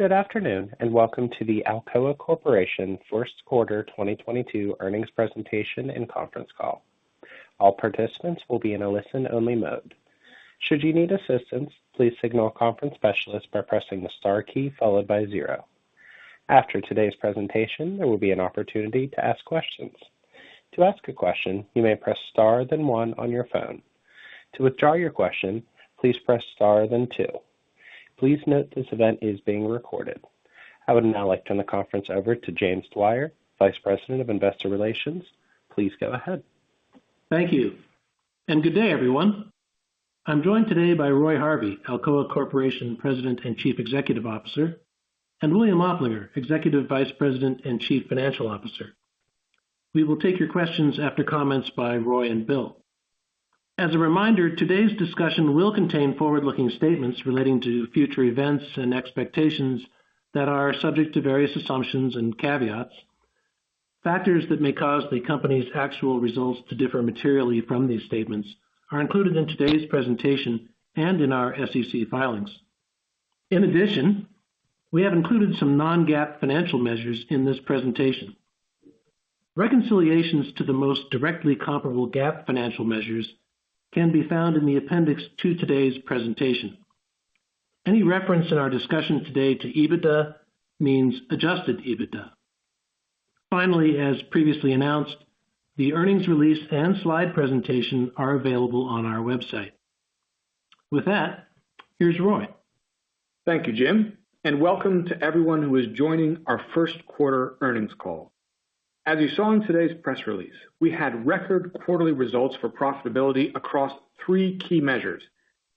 Good afternoon and welcome to the Alcoa Corporation First Quarter 2022 Earnings Presentation and Conference Call. All participants will be in a listen-only mode. Should you need assistance, please signal a conference specialist by pressing the star key followed by zero. After today's presentation, there will be an opportunity to ask questions. To ask a question, you may press star then one on your phone. To withdraw your question, please press star then two. Please note this event is being recorded. I would now like to turn the conference over to James Dwyer, Vice President of Investor Relations. Please go ahead. Thank you, and good day, everyone. I'm joined today by Roy Harvey, Alcoa Corporation President and Chief Executive Officer, and William Oplinger, Executive Vice President and Chief Financial Officer. We will take your questions after comments by Roy and Bill. As a reminder, today's discussion will contain forward-looking statements relating to future events and expectations that are subject to various assumptions and caveats. Factors that may cause the company's actual results to differ materially from these statements are included in today's presentation and in our SEC filings. In addition, we have included some non-GAAP financial measures in this presentation. Reconciliations to the most directly comparable GAAP financial measures can be found in the appendix to today's presentation. Any reference in our discussion today to EBITDA means adjusted EBITDA. Finally, as previously announced, the earnings release and slide presentation are available on our website. With that, here's Roy. Thank you, Jim, and welcome to everyone who is joining our first quarter earnings call. As you saw in today's press release, we had record quarterly results for profitability across three key measures: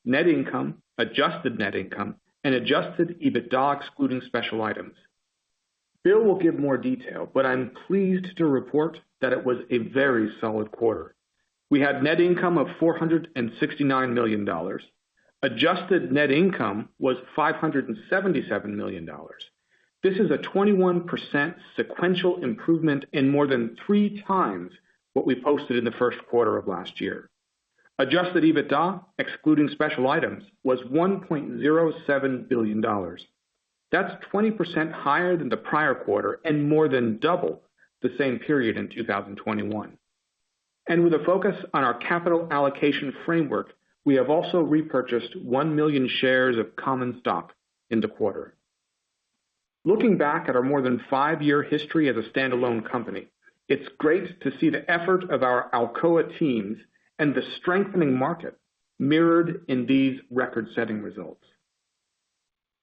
net income, adjusted net income, and adjusted EBITDA excluding special items. Bill will give more detail but I'm pleased to report that it was a very solid quarter. We had net income of $469 million. Adjusted net income was $577 million. This is a 21% sequential improvement and more than 3x what we posted in the first quarter of last year. Adjusted EBITDA, excluding special items, was $1.07 billion. That's 20% higher than the prior quarter and more than double the same period in 2021. With a focus on our capital allocation framework, we have also repurchased 1 million shares of common stock in the quarter. Looking back at our more than five-year history as a standalone company, it's great to see the effort of our Alcoa teams and the strengthening market mirrored in these record-setting results.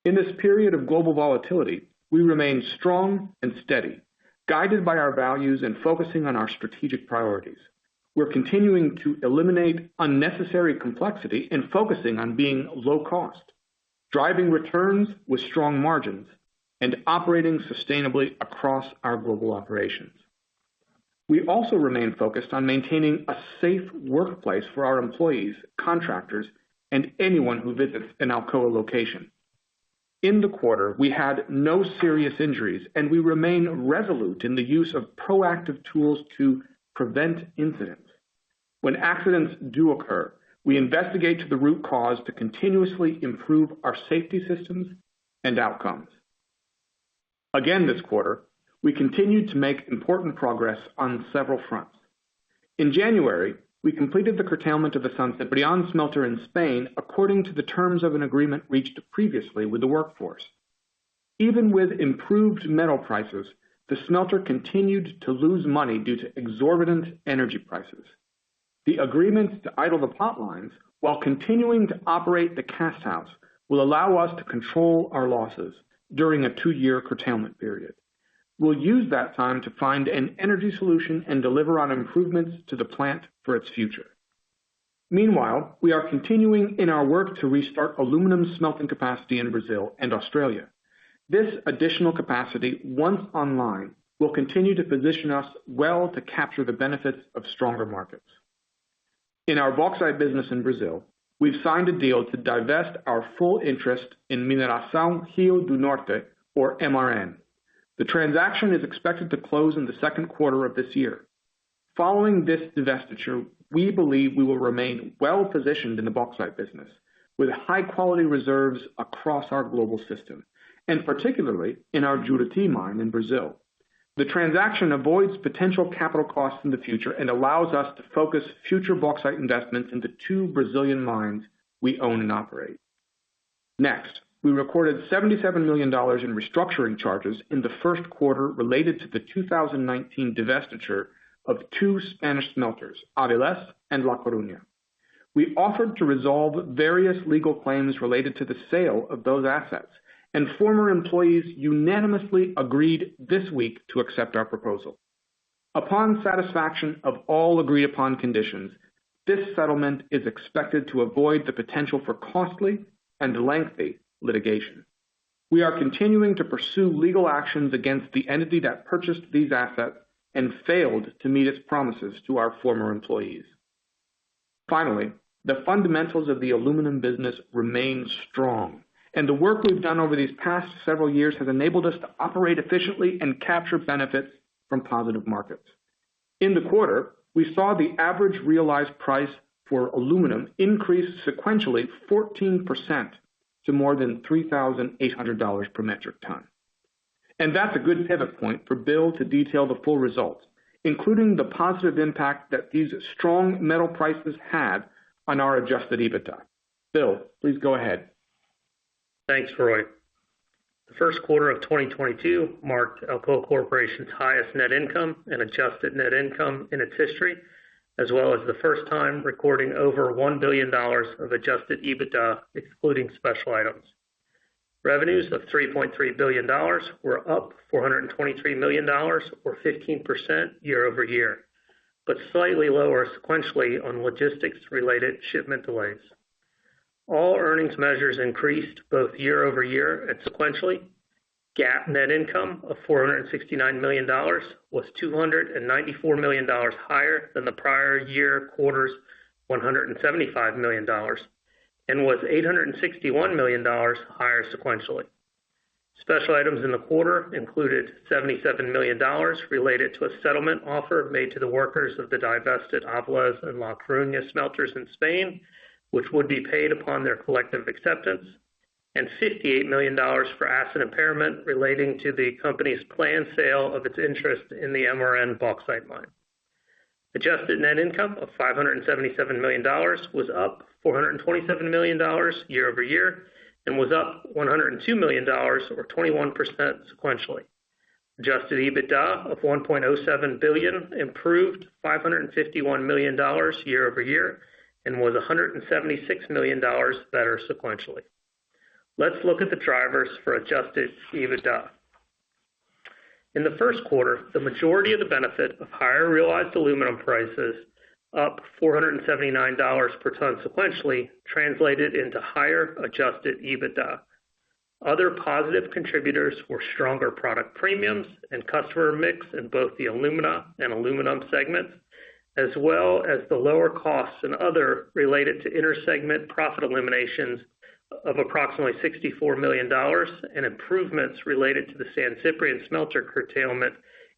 In this period of global volatility, we remain strong and steady, guided by our values and focusing on our strategic priorities. We're continuing to eliminate unnecessary complexity and focusing on being low cost, driving returns with strong margins, and operating sustainably across our global operations. We also remain focused on maintaining a safe workplace for our employees, contractors, and anyone who visits an Alcoa location. In the quarter, we had no serious injuries and we remain resolute in the use of proactive tools to prevent incidents. When accidents do occur, we investigate to the root cause to continuously improve our safety systems and outcomes. Again, this quarter, we continued to make important progress on several fronts. In January, we completed the curtailment of the San Ciprián smelter in Spain according to the terms of an agreement reached previously with the workforce. Even with improved metal prices, the smelter continued to lose money due to exorbitant energy prices. The agreements to idle the plant lines while continuing to operate the cast house will allow us to control our losses during a two-year curtailment period. We'll use that time to find an energy solution and deliver on improvements to the plant for its future. Meanwhile, we are continuing in our work to restart aluminum smelting capacity in Brazil and Australia. This additional capacity, once online, will continue to position us well to capture the benefits of stronger markets. In our bauxite business in Brazil, we've signed a deal to divest our full interest in Mineração Rio do Norte or MRN. The transaction is expected to close in the second quarter of this year. Following this divestiture, we believe we will remain well-positioned in the bauxite business with high-quality reserves across our global system, and particularly in our Juruti mine in Brazil. The transaction avoids potential capital costs in the future and allows us to focus future bauxite investments in the two Brazilian mines we own and operate. Next, we recorded $77 million in restructuring charges in the first quarter related to the 2019 divestiture of two Spanish smelters, Avilés and La Coruña. We offered to resolve various legal claims related to the sale of those assets and former employees unanimously agreed this week to accept our proposal. Upon satisfaction of all agreed upon conditions, this settlement is expected to avoid the potential for costly and lengthy litigation. We are continuing to pursue legal actions against the entity that purchased these assets and failed to meet its promises to our former employees. Finally, the fundamentals of the aluminum business remain strong, and the work we've done over these past several years has enabled us to operate efficiently and capture benefits from positive markets. In the quarter, we saw the average realized price for aluminum increase sequentially 14% to more than $3,800 per metric ton. That's a good pivot point for Bill to detail the full results, including the positive impact that these strong metal prices had on our adjusted EBITDA. Bill, please go ahead. Thanks, Roy. The first quarter of 2022 marked Alcoa corporation's highest net income and adjusted net income in its history, as well as the first time recording over $1 billion of adjusted EBITDA, excluding special items. Revenues of $3.3 billion were up $423 million or 15% year-over-year but slightly lower sequentially on logistics-related shipment delays. All earnings measures increased both year-over-year and sequentially. GAAP net income of $469 million was $294 million higher than the prior year quarter's $175 million and was $861 million higher sequentially. Special items in the quarter included $77 million related to a settlement offer made to the workers of the divested Avilés and La Coruña smelters in Spain, which would be paid upon their collective acceptance, and $58 million for asset impairment relating to the company's planned sale of its interest in the MRN bauxite mine. Adjusted net income of $577 million was up $427 million year-over-year and was up $102 million or 21% sequentially. Adjusted EBITDA of $1.07 billion improved $551 million year-over-year and was $176 million better sequentially. Let's look at the drivers for adjusted EBITDA. In the first quarter, the majority of the benefit of higher realized aluminum prices, up $479 per ton sequentially, translated into higher adjusted EBITDA. Other positive contributors were stronger product premiums and customer mix in both the alumina and aluminum segments, as well as the lower costs and other related to inter-segment profit eliminations of approximately $64 million and improvements related to the San Ciprián smelter curtailment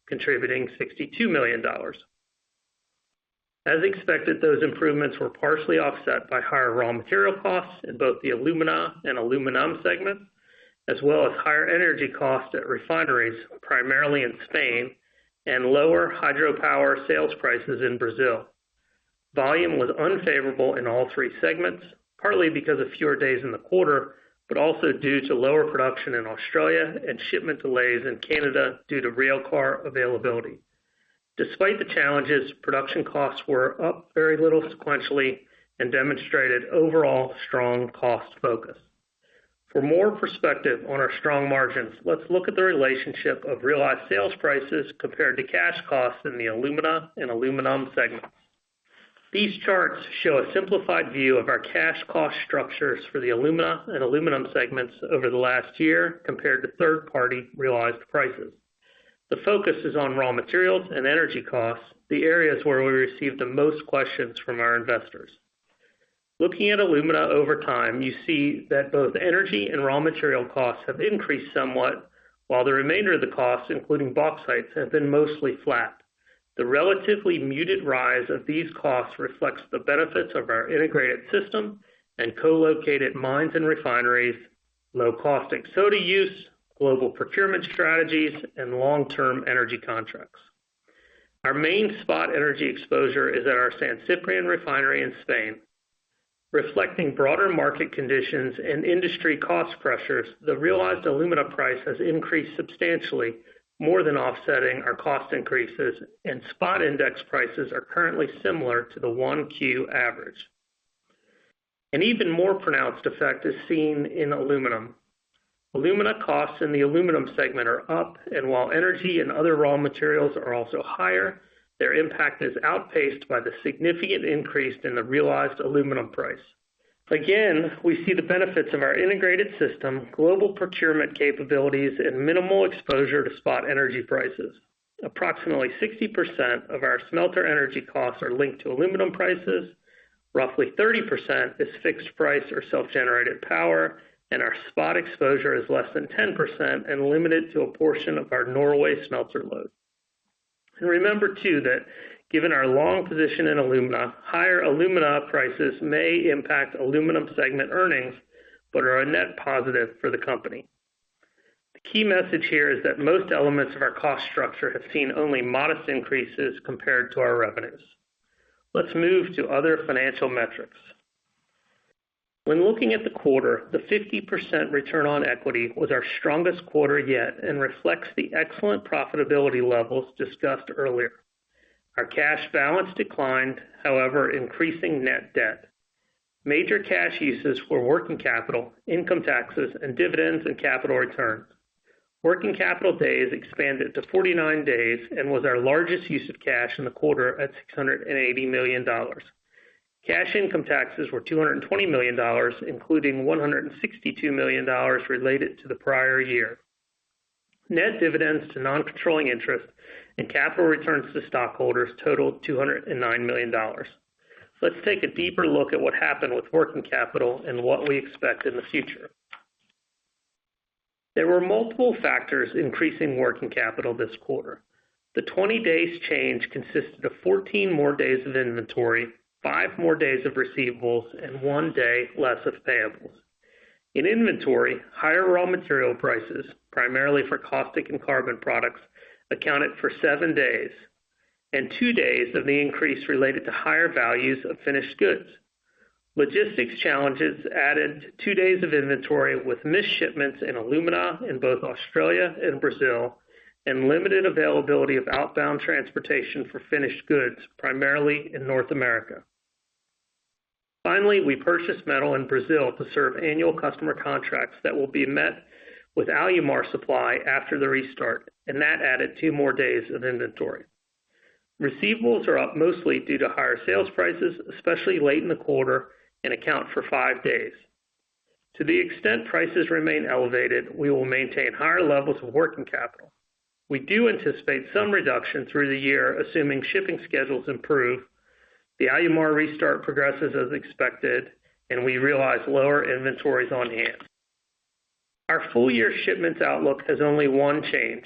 contributing $62 million. As expected, those improvements were partially offset by higher raw material costs in both the alumina and aluminum segments, as well as higher energy costs at refineries, primarily in Spain, and lower hydropower sales prices in Brazil. Volume was unfavorable in all three segments, partly because of fewer days in the quarter, but also due to lower production in Australia, and shipment delays in Canada due to rail car availability. Despite the challenges, production costs were up very little sequentially and demonstrated overall strong cost focus. For more perspective on our strong margins, let's look at the relationship of realized sales prices compared to cash costs in the alumina and aluminum segments. These charts show a simplified view of our cash cost structures for the alumina and aluminum segments over the last year compared to third-party realized prices. The focus is on raw materials and energy costs, the areas where we receive the most questions from our investors. Looking at alumina over time, you see that both energy and raw material costs have increased somewhat, while the remainder of the costs, including bauxite, have been mostly flat. The relatively muted rise of these costs reflects the benefits of our integrated system and co-located mines and refineries, low-cost caustic soda use, global procurement strategies, and long-term energy contracts. Our main spot energy exposure is at our San Ciprián refinery in Spain. Reflecting broader market conditions and industry cost pressures, the realized alumina price has increased substantially more than offsetting our cost increases, and spot index prices are currently similar to the 1Q average. An even more pronounced effect is seen in aluminum. Alumina costs in the aluminum segment are up, and while energy and other raw materials are also higher, their impact is outpaced by the significant increase in the realized aluminum price. Again, we see the benefits of our integrated system, global procurement capabilities, and minimal exposure to spot energy prices. Approximately 60% of our smelter energy costs are linked to aluminum prices, roughly 30% is fixed price or self-generated power, and our spot exposure is less than 10%, and limited to a portion of our Norway smelter load. Remember too that given our long position in alumina, higher alumina prices may impact Aluminum segment earnings, but are a net positive for the company. The key message here is that most elements of our cost structure have seen only modest increases compared to our revenues. Let's move to other financial metrics. When looking at the quarter, the 50% return on equity was our strongest quarter yet and reflects the excellent profitability levels discussed earlier. Our cash balance declined, however, increasing net debt. Major cash uses were working capital, income taxes, and dividends and capital return. Working capital days expanded to 49 days and was our largest use of cash in the quarter at $680 million. Cash income taxes were $220 million including $162 million related to the prior year. Net dividends to non-controlling interest and capital returns to stockholders totaled $209 million. Let's take a deeper look at what happened with working capital and what we expect in the future. There were multiple factors increasing working capital this quarter. The 20 days change consisted of 14 more days of inventory, five more days of receivables, and one day less of payables. In inventory, higher raw material prices, primarily for caustic and carbon products, accounted for seven days and two days of the increase related to higher values of finished goods. Logistics challenges added two days of inventory with missed shipments in alumina in both Australia and Brazil, and limited availability of outbound transportation for finished goods, primarily in North America. Finally, we purchased metal in Brazil to serve annual customer contracts that will be met with Alumar supply after the restart and that added two more days of inventory. Receivables are up mostly due to higher sales prices, especially late in the quarter, and account for five days. To the extent prices remain elevated, we will maintain higher levels of working capital. We do anticipate some reduction through the year, assuming shipping schedules improve, the Alumar restart progresses as expected, and we realize lower inventories on hand. Our full-year shipments outlook has only one change.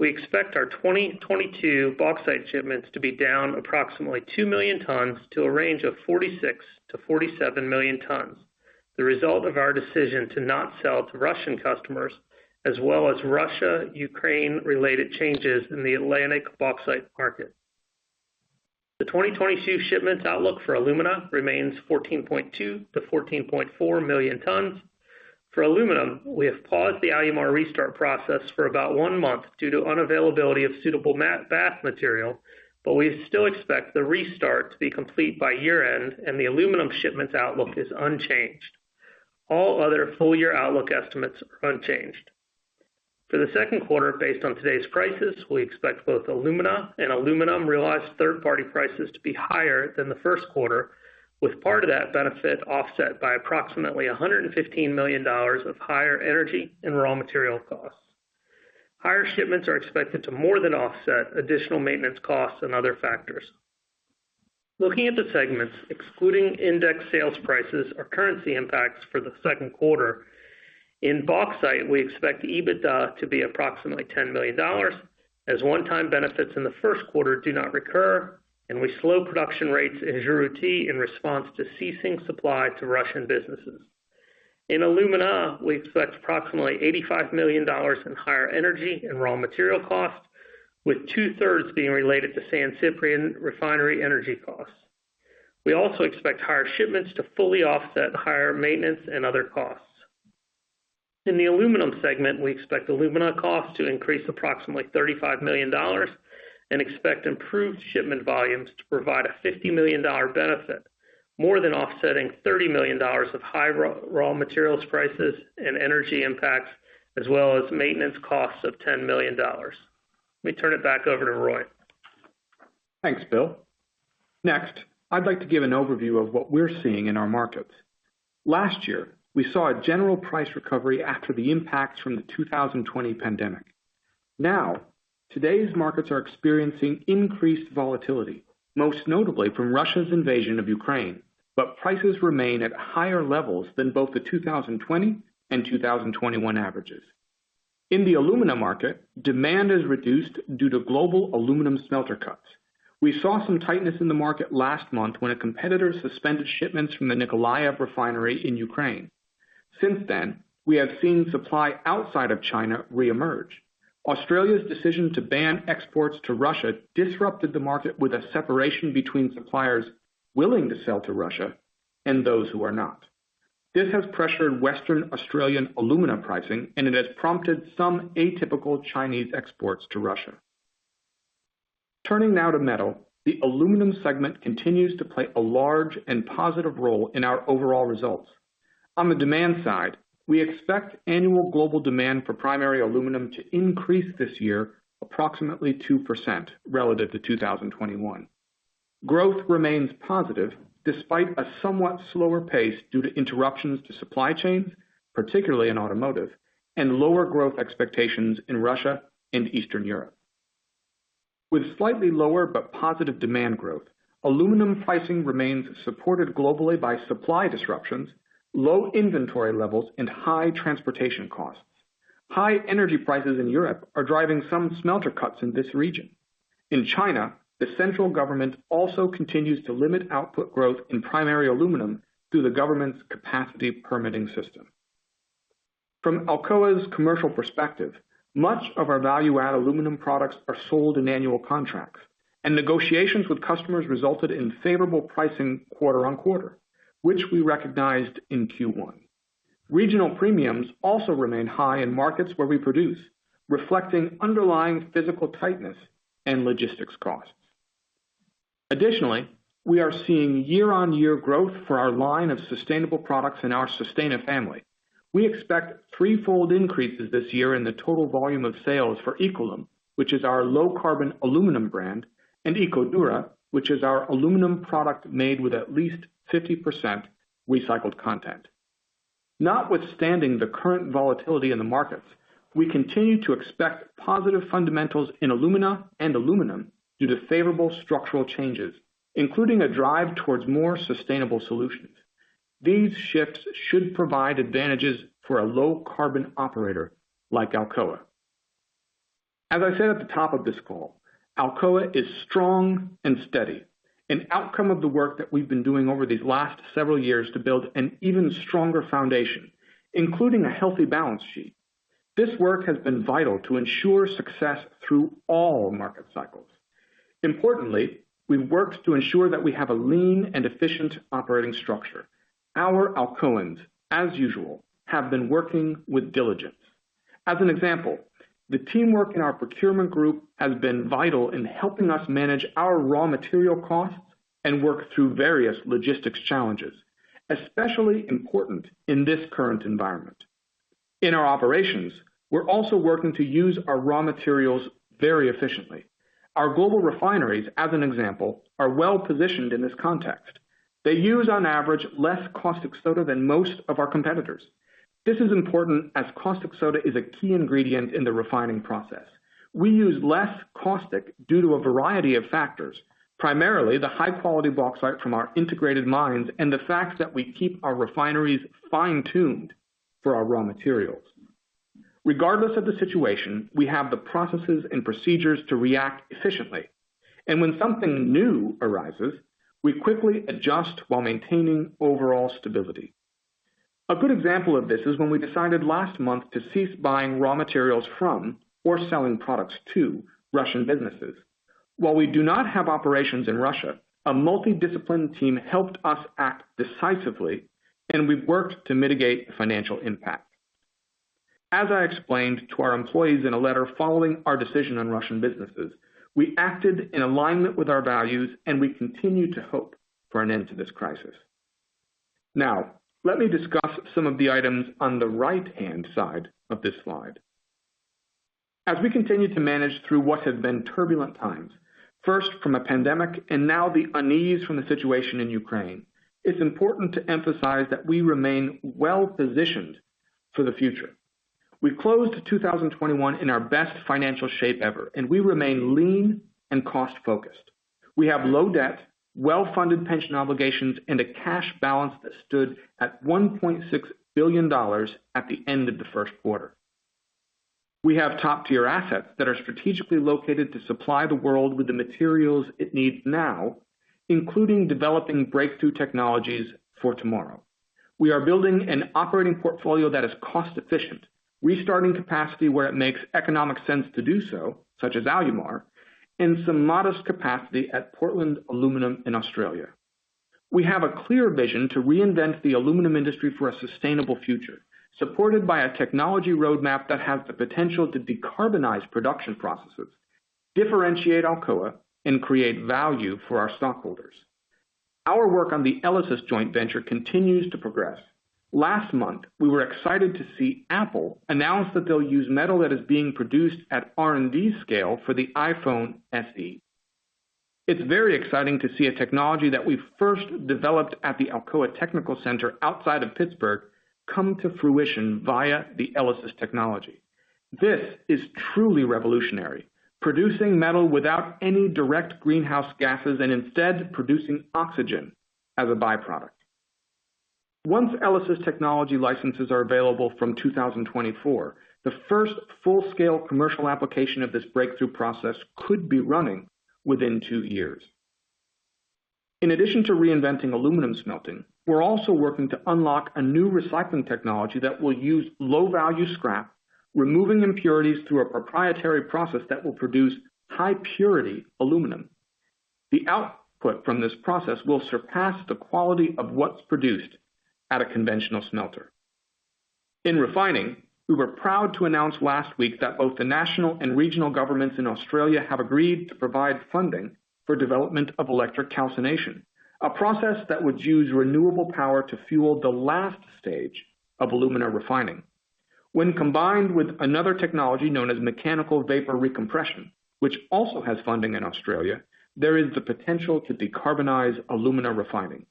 We expect our 2022 bauxite shipments to be down approximately 2 million tons to a range of 46 million tons to 47 million tons, the result of our decision to not sell to Russian customers, as well as Russia/Ukraine-related changes in the Atlantic bauxite market. The 2022 shipments outlook for alumina remains 14.2 million tons to 14.4 million tons. For aluminum, we have paused the Alumar restart process for about one month due to unavailability of suitable bath material, but we still expect the restart to be complete by year-end, and the aluminum shipments outlook is unchanged. All other full-year outlook estimates are unchanged. For the second quarter, based on today's prices, we expect both alumina and aluminum realized third-party prices to be higher than the first quarter, with part of that benefit offset by approximately $115 million of higher energy and raw material costs. Higher shipments are expected to more than offset additional maintenance costs and other factors. Looking at the segments, excluding index sales prices or currency impacts for the second quarter, in bauxite, we expect EBITDA to be approximately $10 million as one-time benefits in the first quarter do not recur, and we slow production rates in Juruti in response to ceasing supply to Russian businesses. In alumina, we expect approximately $85 million in higher energy and raw material costs with 2/3 being related to San Ciprián refinery energy costs. We also expect higher shipments to fully offset higher maintenance and other costs. In the aluminum segment, we expect alumina costs to increase approximately $35 million and expect improved shipment volumes to provide a $50 million benefit, more than offsetting $30 million of high raw materials prices and energy impacts, as well as maintenance costs of $10 million. Let me turn it back over to Roy. Thanks, Bill. Next, I'd like to give an overview of what we're seeing in our markets. Last year, we saw a general price recovery after the impacts from the 2020 pandemic. Now, today's markets are experiencing increased volatility, most notably from Russia's invasion of Ukraine, but prices remain at higher levels than both the 2020 and 2021 averages. In the alumina market, demand is reduced due to global aluminum smelter cuts. We saw some tightness in the market last month when a competitor suspended shipments from the Nikolaev refinery in Ukraine. Since then, we have seen supply outside of China reemerge. Australia's decision to ban exports to Russia disrupted the market with a separation between suppliers willing to sell to Russia and those who are not. This has pressured Western Australian alumina pricing and it has prompted some atypical Chinese exports to Russia. Turning now to metal, the aluminum segment continues to play a large and positive role in our overall results. On the demand side, we expect annual global demand for primary aluminum to increase this year approximately 2% relative to 2021. Growth remains positive despite a somewhat slower pace due to interruptions to supply chains, particularly in automotive and lower growth expectations in Russia and Eastern Europe. With slightly lower but positive demand growth, aluminum pricing remains supported globally by supply disruptions, low inventory levels, and high transportation costs. High energy prices in Europe are driving some smelter cuts in this region. In China, the central government also continues to limit output growth in primary aluminum through the government's capacity permitting system. From Alcoa's commercial perspective, much of our value-add aluminum products are sold in annual contracts, and negotiations with customers resulted in favorable pricing quarter on quarter, which we recognized in Q1. Regional premiums also remain high in markets where we produce, reflecting underlying physical tightness and logistics costs. Additionally, we are seeing year-on-year growth for our line of sustainable products in our Sustana family. We expect threefold increases this year in the total volume of sales for EcoLum, which is our low-carbon aluminum brand, and EcoDura, which is our aluminum product made with at least 50% recycled content. Notwithstanding the current volatility in the markets, we continue to expect positive fundamentals in alumina and aluminum due to favorable structural changes, including a drive towards more sustainable solutions. These shifts should provide advantages for a low carbon operator like Alcoa. As I said at the top of this call, Alcoa is strong and steady, an outcome of the work that we've been doing over these last several years to build an even stronger foundation including a healthy balance sheet. This work has been vital to ensure success through all market cycles. Importantly, we've worked to ensure that we have a lean and efficient operating structure. Our Alcoans, as usual, have been working with diligence. As an example, the teamwork in our procurement group has been vital in helping us manage our raw material costs and work through various logistics challenges especially important in this current environment. In our operations, we're also working to use our raw materials very efficiently. Our global refineries, as an example, are well-positioned in this context. They use, on average, less caustic soda than most of our competitors. This is important as caustic soda is a key ingredient in the refining process. We use less caustic due to a variety of factors, primarily the high-quality bauxite from our integrated mines, and the fact that we keep our refineries fine-tuned for our raw materials. Regardless of the situation, we have the processes and procedures to react efficiently. When something new arises, we quickly adjust while maintaining overall stability. A good example of this is when we decided last month to cease buying raw materials from or selling products to Russian businesses. While we do not have operations in Russia, a multi-disciplined team helped us act decisively, and we've worked to mitigate the financial impact. As I explained to our employees in a letter following our decision on Russian businesses, we acted in alignment with our values, and we continue to hope for an end to this crisis. Now, let me discuss some of the items on the right-hand side of this slide. As we continue to manage through what has been turbulent times, first from a pandemic and now the unease from the situation in Ukraine, it's important to emphasize that we remain well-positioned for the future. We closed 2021 in our best financial shape ever, and we remain lean, and cost-focused. We have low debt, well-funded pension obligations, and a cash balance that stood at $1.6 billion at the end of the first quarter. We have top-tier assets that are strategically located to supply the world with the materials it needs now, including developing breakthrough technologies for tomorrow. We are building an operating portfolio that is cost-efficient, restarting capacity where it makes economic sense to do so, such as Alumar, and some modest capacity at Portland Aluminum in Australia. We have a clear vision to reinvent the aluminum industry for a sustainable future, supported by a technology roadmap that has the potential to decarbonize production processes, differentiate Alcoa, and create value for our stockholders. Our work on the Elysis joint venture continues to progress. Last month, we were excited to see Apple announce that they'll use metal that is being produced at R&D scale for the iPhone SE. It's very exciting to see a technology that we first developed at the Alcoa Technical Center outside of Pittsburgh come to fruition via the Elysis technology. This is truly revolutionary, producing metal without any direct greenhouse gases, and instead producing oxygen as a byproduct. Once Elysis technology licenses are available from 2024, the first full-scale commercial application of this breakthrough process could be running within two years. In addition to reinventing aluminum smelting, we're also working to unlock a new recycling technology that will use low-value scrap, removing impurities through a proprietary process that will produce high-purity aluminum. The output from this process will surpass the quality of what's produced at a conventional smelter. In refining, we were proud to announce last week that both the national and regional governments in Australia have agreed to provide funding for development of electric calcination, a process that would use renewable power to fuel the last stage of alumina refining. When combined with another technology known as mechanical vapor recompression, which also has funding in Australia, there is the potential to decarbonize alumina refining.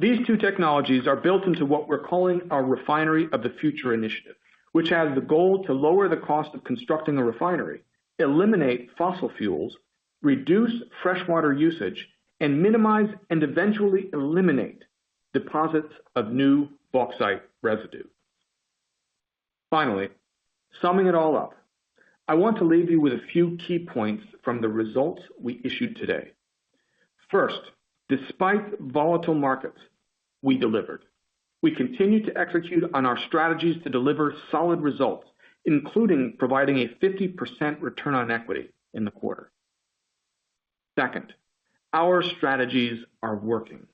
These two technologies are built into what we're calling our Refinery of the Future initiative, which has the goal to lower the cost of constructing a refinery, eliminate fossil fuels, reduce fresh water usage, and minimize and eventually eliminate deposits of new bauxite residue. Finally, summing it all up, I want to leave you with a few key points from the results we issued today. First, despite volatile markets, we delivered. We continue to execute on our strategies to deliver solid results, including providing a 50% return on equity in the quarter. Second, our strategies are working.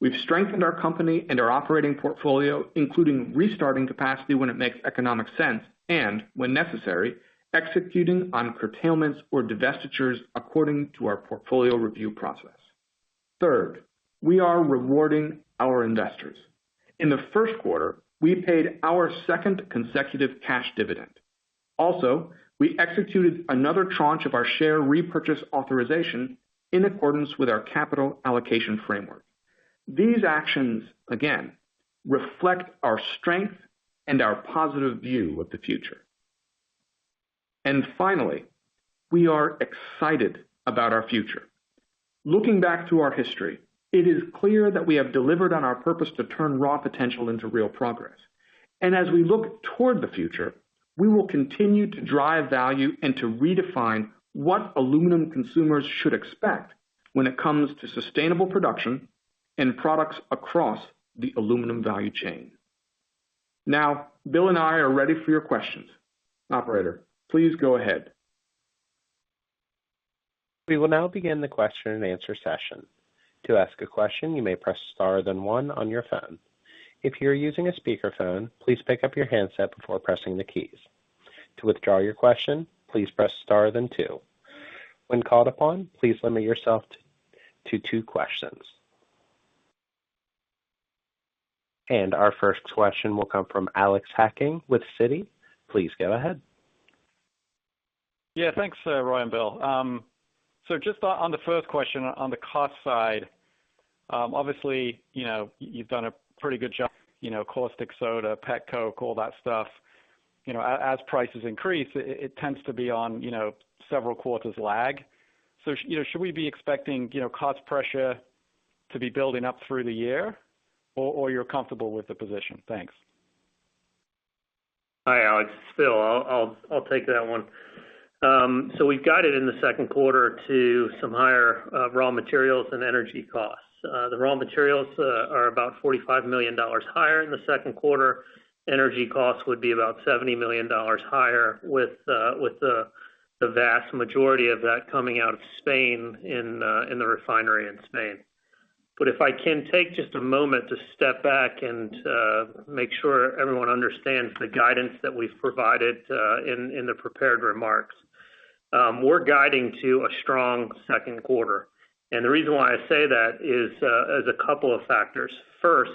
We've strengthened our company and our operating portfolio, including restarting capacity when it makes economic sense, and when necessary, executing on curtailments or divestitures according to our portfolio review process. Third, we are rewarding our investors. In the first quarter, we paid our second consecutive cash dividend. Also, we executed another tranche of our share repurchase authorization in accordance with our capital allocation framework. These actions, again, reflect our strength and our positive view of the future. Finally, we are excited about our future. Looking back through our history, it is clear that we have delivered on our purpose to turn raw potential into real progress. As we look toward the future, we will continue to drive value and to redefine what aluminum consumers should expect when it comes to sustainable production and products across the aluminum value chain. Now, Bill and I are ready for your questions. Operator, please go ahead. We will now begin the question-and-answer session. To ask a question, you may press star then one on your phone. If you're using a speakerphone, please pick up your handset before pressing the keys. To withdraw your question, please press star then two. When called upon, please limit yourself to two questions. Our first question will come from Alex Hacking with Citi. Please go ahead. Yeah, thanks, Roy and Bill. On the first question on the cost side, obviously, you know, you've done a pretty good job, you know, caustic soda, petcoke, all that stuff. As prices increase, it tends to be on, you know, several quarters lag, should we be expecting, you know, cost pressure to be building up through the year or you're comfortable with the position? Thanks. Hi, Alex. It's Bill. I'll take that one. So we've guided in the second quarter to some higher raw materials and energy costs. The raw materials are about $45 million higher in the second quarter. Energy costs would be about $70 million higher with the vast majority of that coming out of Spain in the refinery in Spain. If I can take just a moment to step back and make sure everyone understands the guidance that we've provided in the prepared remarks. We're guiding to a strong second quarter. The reason why I say that is a couple of factors. First,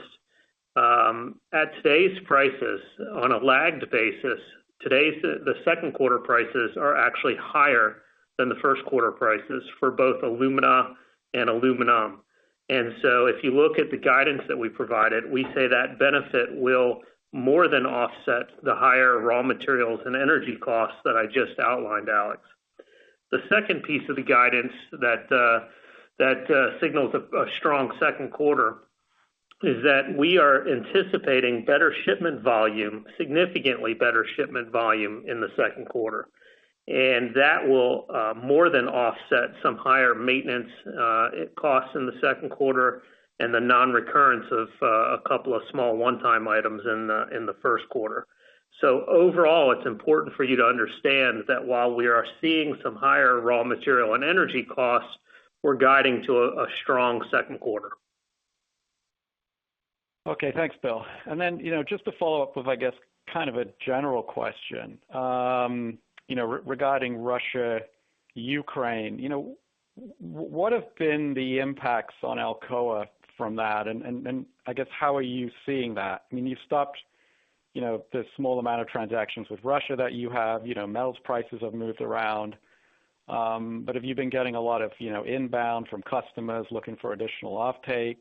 at today's prices, on a lagged basis, today, the second quarter prices are actually higher than the first quarter prices for both alumina and aluminum. If you look at the guidance that we provided, we say that benefit will more than offset the higher raw materials and energy costs that I just outlined, Alex. The second piece of the guidance that signals a strong second quarter is that we are anticipating better shipment volume, significantly better shipment volume in the second quarter. That will more than offset some higher maintenance costs in the second quarter and the non-recurrence of a couple of small one-time items in the first quarter. Overall, it's important for you to understand that while we are seeing some higher raw material and energy costs, we're guiding to a strong second quarter. Okay, thanks, Bill, and then, you know, just to follow up with kind of a general question regarding Russia, Ukraine, you know, what have been the impacts on Alcoa from that? How are you seeing that? I mean, you've stopped, you know, the small amount of transactions with Russia that you have. Metals prices have moved around. Have you been getting a lot of, you know, inbound from customers looking for additional offtake?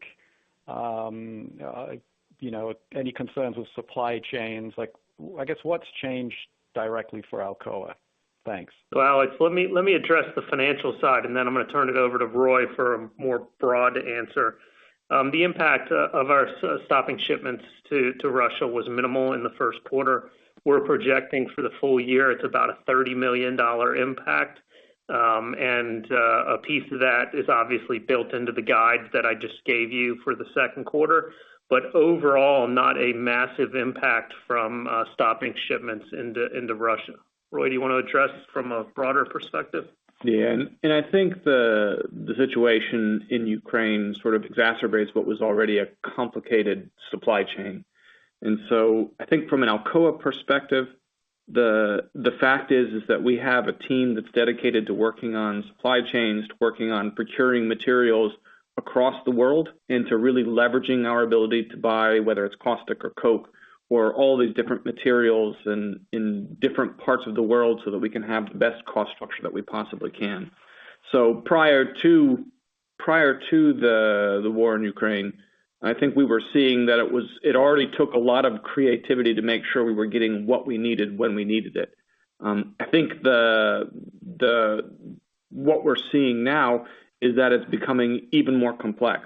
Any concerns with supply chains? What's changed directly for Alcoa? Thanks. Well, Alex, let me address the financial side, and then I'm going to turn it over to Roy for a more broad answer. The impact of our stopping shipments to Russia was minimal in the first quarter. We're projecting for the full-year, it's about a $30 million impact and a piece of that is obviously built into the guide that I just gave you for the second quarter. Overall, not a massive impact from stopping shipments into Russia. Roy, do you want to address from a broader perspective? Yeah. I think the situation in Ukraine sort of exacerbates what was already a complicated supply chain. I think from an Alcoa perspective, the fact is that we have a team that's dedicated to working on supply chains, working on procuring materials across the world, and to really leveraging our ability to buy, whether it's caustic or coke, or all these different materials in different parts of the world so that we can have the best cost structure that we possibly can. Prior to the war in Ukraine, I think we were seeing that it already took a lot of creativity to make sure we were getting what we needed when we needed it. I think what we're seeing now is that it's becoming even more complex.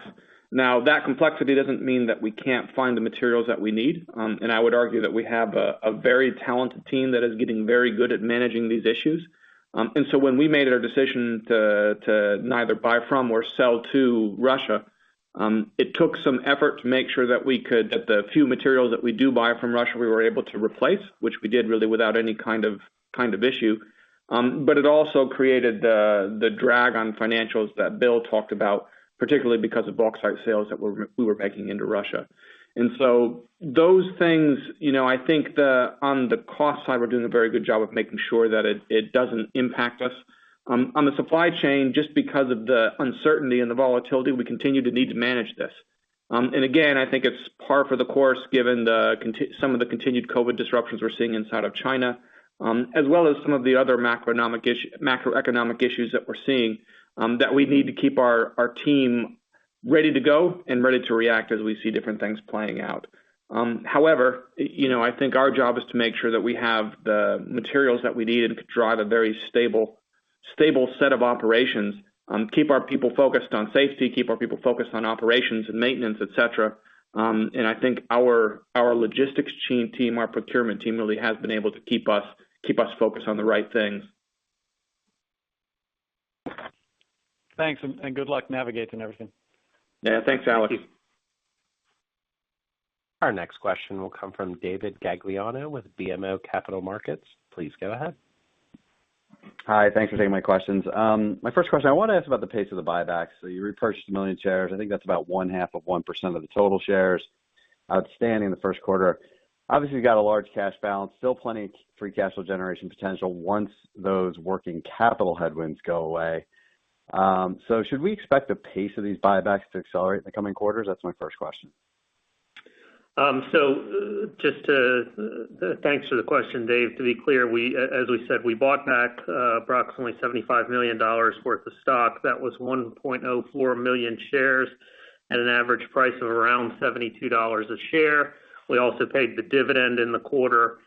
Now, that complexity doesn't mean that we can't find the materials that we need. I would argue that we have a very talented team that is getting very good at managing these issues. When we made our decision to neither buy from or sell to Russia, it took some effort to make sure that the few materials that we do buy from Russia, we were able to replace, which we did really without any kind of issue. It also created the drag on financials that Bill talked about, particularly because of bauxite sales that we were making into Russia. Those things, you know, I think on the cost side, we're doing a very good job of making sure that it doesn't impact us. On the supply chain, just because of the uncertainty and the volatility, we continue to need to manage this. Again, I think it's par for the course, given some of the continued COVID disruptions we're seeing inside of China, as well as some of the other macroeconomic issues that we're seeing that we need to keep our team ready to go and ready to react as we see different things playing out. However, you know, I think our job is to make sure that we have the materials that we need and could drive a very stable set of operations, keep our people focused on safety, keep our people focused on operations and maintenance, et cetera. I think our logistics chain team, our procurement team really has been able to keep us focused on the right things. Thanks and good luck navigating everything. Yeah. Thanks, Alex. Our next question will come from David Gagliano with BMO Capital Markets. Please go ahead. Hi. Thanks for taking my questions. My first question, I want to ask about the pace of the buybacks. You repurchased 1 million shares. I think that's about 0.5% of the total shares outstanding in the first quarter. Obviously, you got a large cash balance, still plenty of free cash flow generation potential, once those working capital headwinds go away. Should we expect the pace of these buybacks to accelerate in the coming quarters? That's my first question. Thanks for the question, Dave. To be clear, as we said, we bought back approximately $75 million worth of stock. That was 1.04 million shares at an average price of around $72 a share. We also paid the dividend in the quarter.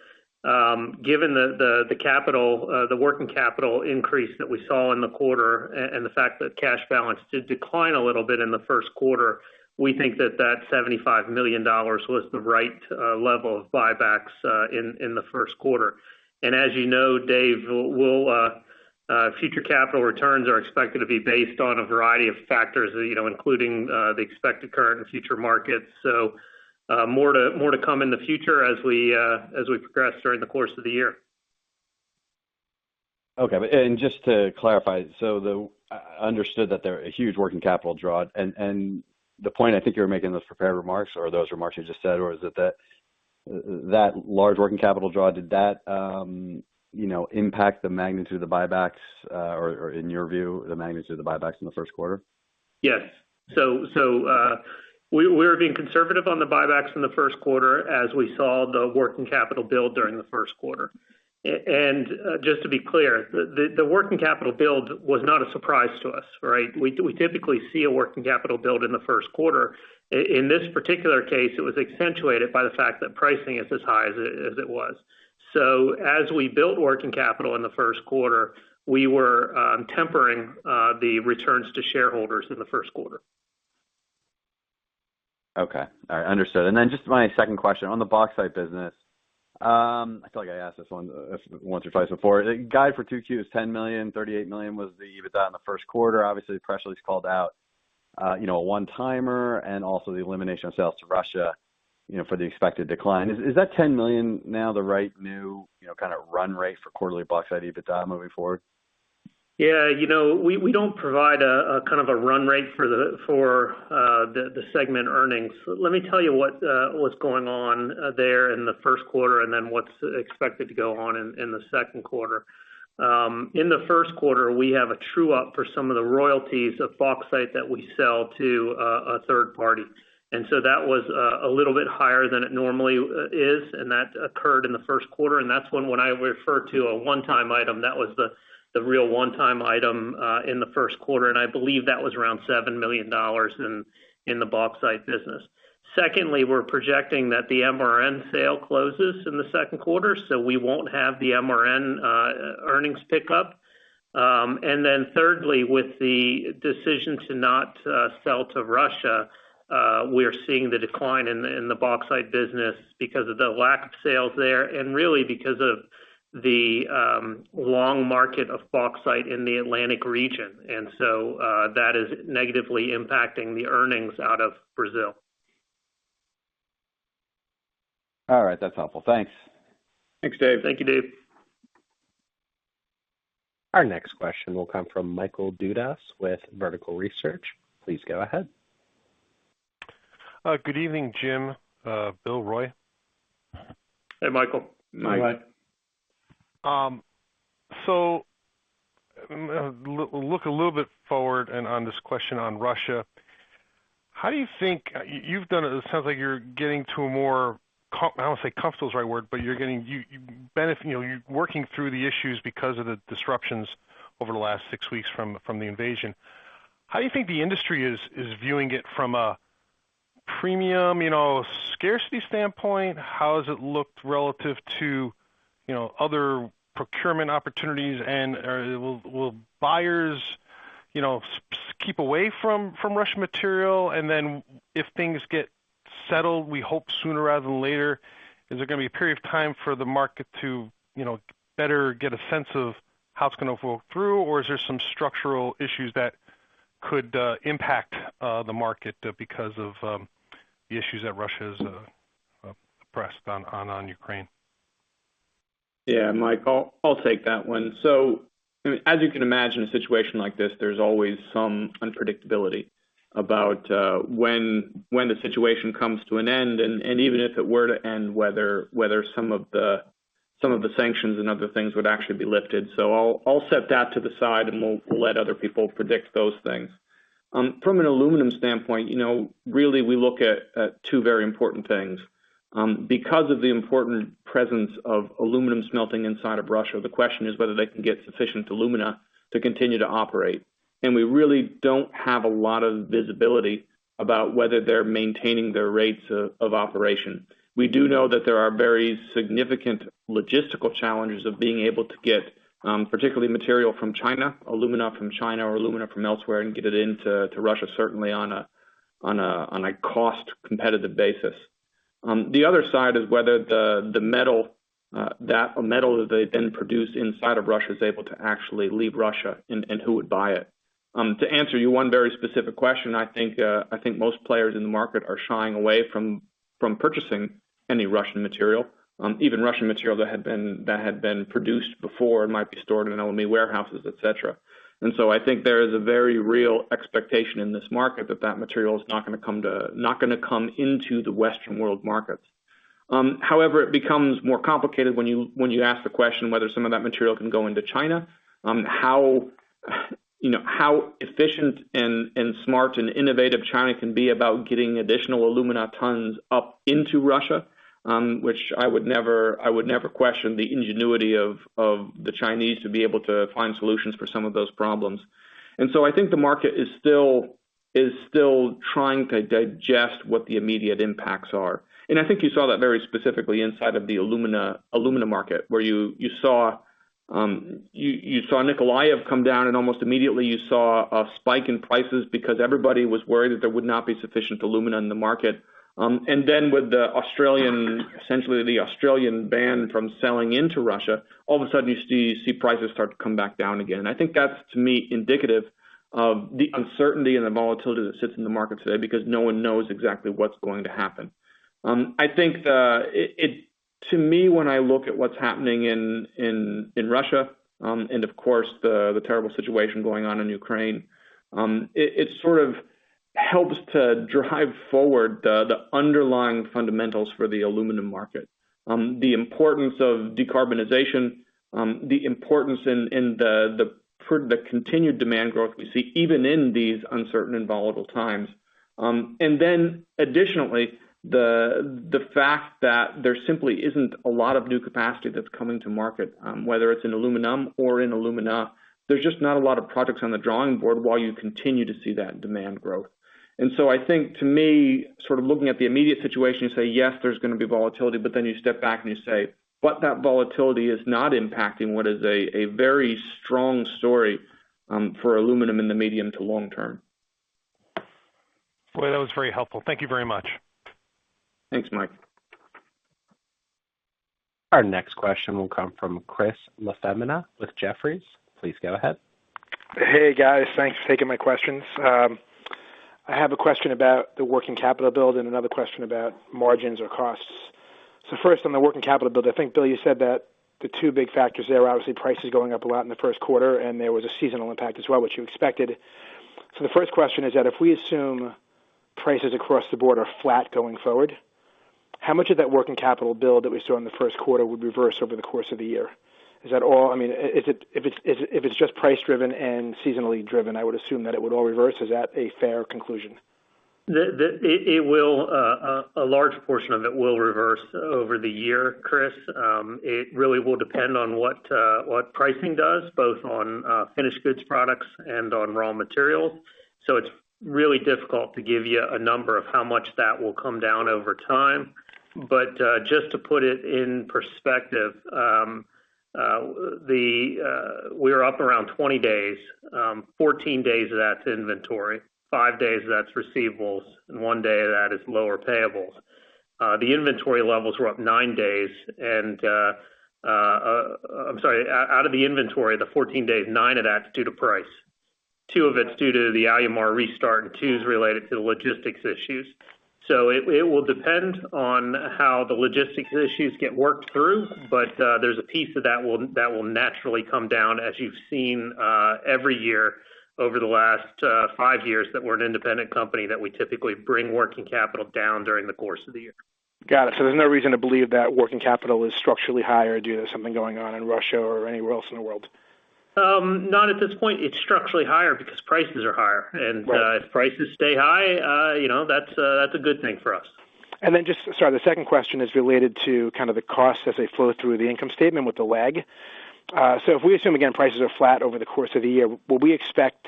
Given the working capital increase that we saw in the quarter and the fact that cash balance did decline a little bit in the first quarter, we think that $75 million was the right level of buybacks in the first quarter. As you know, Dave, future capital returns are expected to be based on a variety of factors, you know, including the expected current and future markets. More to come in the future as we progress during the course of the year. Okay, and just to clarify, so understood that they're a huge working capital draw. The point I think you're making in those prepared remarks or those remarks you just said, was is that, that large working capital draw, did that, you know, impact the magnitude of the buybacks, or in your view, the magnitude of the buybacks in the first quarter? Yes. We're being conservative on the buybacks in the first quarter as we saw the working capital build during the first quarter. To be clear, the working capital build was not a surprise to us, right? We typically see a working capital build in the first quarter. In this particular case, it was accentuated by the fact that pricing is as high as it was. As we built working capital in the first quarter, we were tempering the returns to shareholders in the first quarter. Okay. All right. Understood and just my second question on the bauxite business. I feel like I asked this one once or twice before. The guide for 2Q is $10 million. $38 million was the EBITDA in the first quarter. Obviously, the pressure is called out, you know, a one-timer and also the elimination of sales to Russia, you know, for the expected decline. Is that $10 million now the right new, you know, kind of run rate for quarterly bauxite EBITDA moving forward? Yeah. We don't provide a kind of a run rate for the segment earnings. Let me tell you what's going on there in the first quarter and then what's expected to go on in the second quarter. In the first quarter, we have a true-up for some of the royalties of bauxite that we sell to a third party. That was a little bit higher than it normally is and that occurred in the first quarter. That's when I refer to a one-time item, that was the real one-time item in the first quarter, and I believe that was around $7 million in the bauxite business. Secondly, we're projecting that the MRN sale closes in the second quarter, so we won't have the MRN earnings pickup. Thirdly, with the decision to not sell to Russia, we are seeing the decline in the bauxite business because of the lack of sales there and really because of the long market of bauxite in the Atlantic region. That is negatively impacting the earnings out of Brazil. All right. That's helpful. Thanks. Thanks, Dave. Thank you, David. Our next question will come from Michael Dudas with Vertical Research. Please go ahead. Good evening, Jim. Bill, Roy. Hey, Michael. Hey, Mike. Look a little bit forward and on this question on Russia, how do you think? You've done it. It sounds like you're getting to a more comfortable. I don't want to say comfortable is the right word, but you're getting you benefit, you know, you're working through the issues because of the disruptions over the last six weeks from the invasion. How do you think the industry is viewing it from a premium, you know, scarcity standpoint? How has it looked relative to, you know, other procurement opportunities? Will buyers, you know, keep away from Russian material? Then if things get settled, we hope sooner rather than later, is there going to be a period of time for the market to, you know, better get a sense of how it's going to flow through? Is there some structural issues that could impact the market because of the issues that Russia has pressed on Ukraine? Yeah, Mike, I'll take that one. As you can imagine, a situation like this, there's always some unpredictability about when the situation comes to an end, and even if it were to end, whether some of the sanctions and other things would actually be lifted. I'll set that to the side, and we'll let other people predict those things. From an aluminum standpoint, you know, really, we look at two very important things. Because of the important presence of aluminum smelting inside of Russia, the question is whether they can get sufficient alumina to continue to operate. We really don't have a lot of visibility about whether they're maintaining their rates of operation. We do know that there are very significant logistical challenges of being able to get, particularly material from China, alumina from China or alumina from elsewhere, and get it into Russia, certainly on a cost-competitive basis. The other side is whether the metal they then produce inside of Russia is able to actually leave Russia and who would buy it. To answer your one very specific question, I think most players in the market are shying away from purchasing any Russian material, even Russian material that had been produced before and might be stored in LME warehouses, et cetera. I think there is a very real expectation in this market that that material is not going to come into the Western world markets. However, it becomes more complicated when you ask the question whether some of that material can go into China, you know, how efficient and smart and innovative China can be about getting additional alumina tons up into Russia, which I would never question the ingenuity of the Chinese to be able to find solutions for some of those problems. I think the market is still trying to digest what the immediate impacts are. I think you saw that very specifically inside of the alumina market where you saw Nikolaev come down and almost immediately you saw a spike in prices because everybody was worried that there would not be sufficient alumina in the market. With the Australian, essentially the Australian ban from selling into Russia, all of a sudden you see prices start to come back down again. I think that's, to me, indicative of the uncertainty and the volatility that sits in the market today because no one knows exactly what's going to happen. I think to me, when I look at what's happening in Russia and, of course, the terrible situation going on in Ukraine, it sort of helps to drive forward the underlying fundamentals for the aluminum market, the importance of decarbonization, the importance in the continued demand growth we see even in these uncertain and volatile times. Additionally, the fact that there simply isn't a lot of new capacity that's coming to market, whether it's in aluminum or in alumina. There's just not a lot of projects on the drawing board while you continue to see that demand growth. I think to me, sort of looking at the immediate situation, you say, yes, there's going to be volatility, but then you step back and you say, but that volatility is not impacting what is a very strong story for aluminum in the medium to long term. Well, that was very helpful. Thank you very much. Thanks, Mike. Our next question will come from Chris LaFemina with Jefferies. Please go ahead. Hey, guys. Thanks for taking my questions. I have a question about the working capital build and another question about margins or costs. First, on the working capital build, I think, Bill, you said that the two big factors there are obviously prices going up a lot in the first quarter and there was a seasonal impact as well, which you expected. The first question is that, if we assume prices across the board are flat going forward, how much of that working capital build that we saw in the first quarter would reverse over the course of the year? Is that all? I mean, if it's just price driven and seasonally driven, I would assume that it would all reverse. Is that a fair conclusion? A large portion of it will reverse over the year, Chris. It really will depend on what pricing does, both on finished goods products and on raw materials. It's really difficult to give you a number of how much that will come down over time. To put it in perspective, we are up around 20 days. 14 days of that's inventory, five days of that is receivables, and one day of that is lower payables. Out of the inventory, the 14 days, nine of that's due to price. Two of it's due to the Alumar restart and two is related to the logistics issues. It will depend on how the logistics issues get worked through, but there's a piece of that that will naturally come down as you've seen every year over the last five years that we're an independent company, that we typically bring working capital down during the course of the year. Got it. There's no reason to believe that working capital is structurally higher due to something going on in Russia or anywhere else in the world? Not at this point. It's structurally higher because prices are higher. If prices stay high, you know, that's a good thing for us. The second question is related to kind of the costs as they flow through the income statement with the lag. If we assume, again, prices are flat over the course of the year, will we expect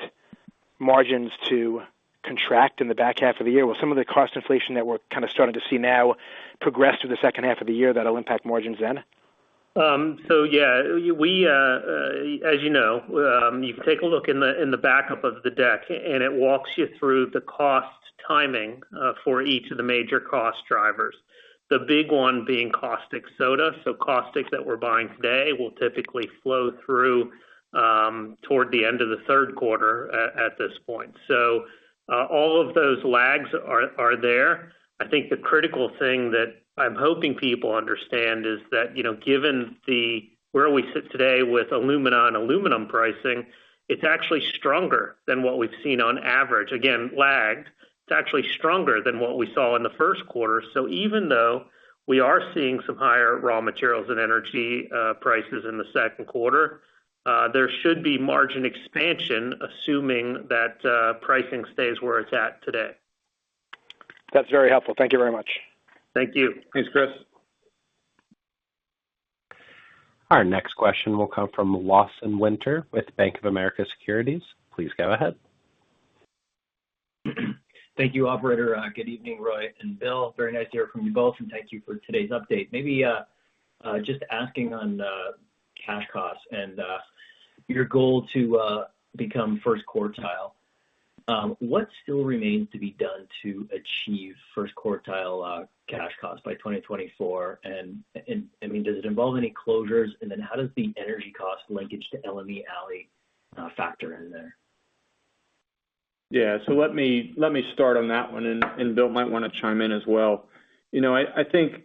margins to contract in the back half of the year? Will some of the cost inflation that we're kind of starting to see now progress through the second half of the year that'll impact margins then? As you know, you take a look in the backup of the deck and it walks you through the cost timing for each of the major cost drivers. The big one being caustic soda. Caustic that we're buying today will typically flow through toward the end of the third quarter at this point. All of those lags are there. I think the critical thing that I'm hoping people understand is that, you know, given where we sit today with alumina and aluminum pricing, it's actually stronger than what we've seen on average. Again, lagged. It's actually stronger than what we saw in the first quarter. Even though we are seeing some higher raw materials and energy prices in the second quarter, there should be margin expansion assuming that pricing stays where it's at today. That's very helpful. Thank you very much. Thank you. Thanks, Chris. Our next question will come from Lawson Winder with Bank of America Securities. Please go ahead. Thank you, operator. Good evening, Roy and Bill, very nice to hear from you both, and thank you for today's update. Maybe just asking on cash costs and your goal to become first quartile. What still remains to be done to achieve first quartile cash costs by 2024? I mean, does it involve any closures? How does the energy cost linkage to LME Al factor in there? Yeah. Let me start on that one and Bill might want to chime in as well. I think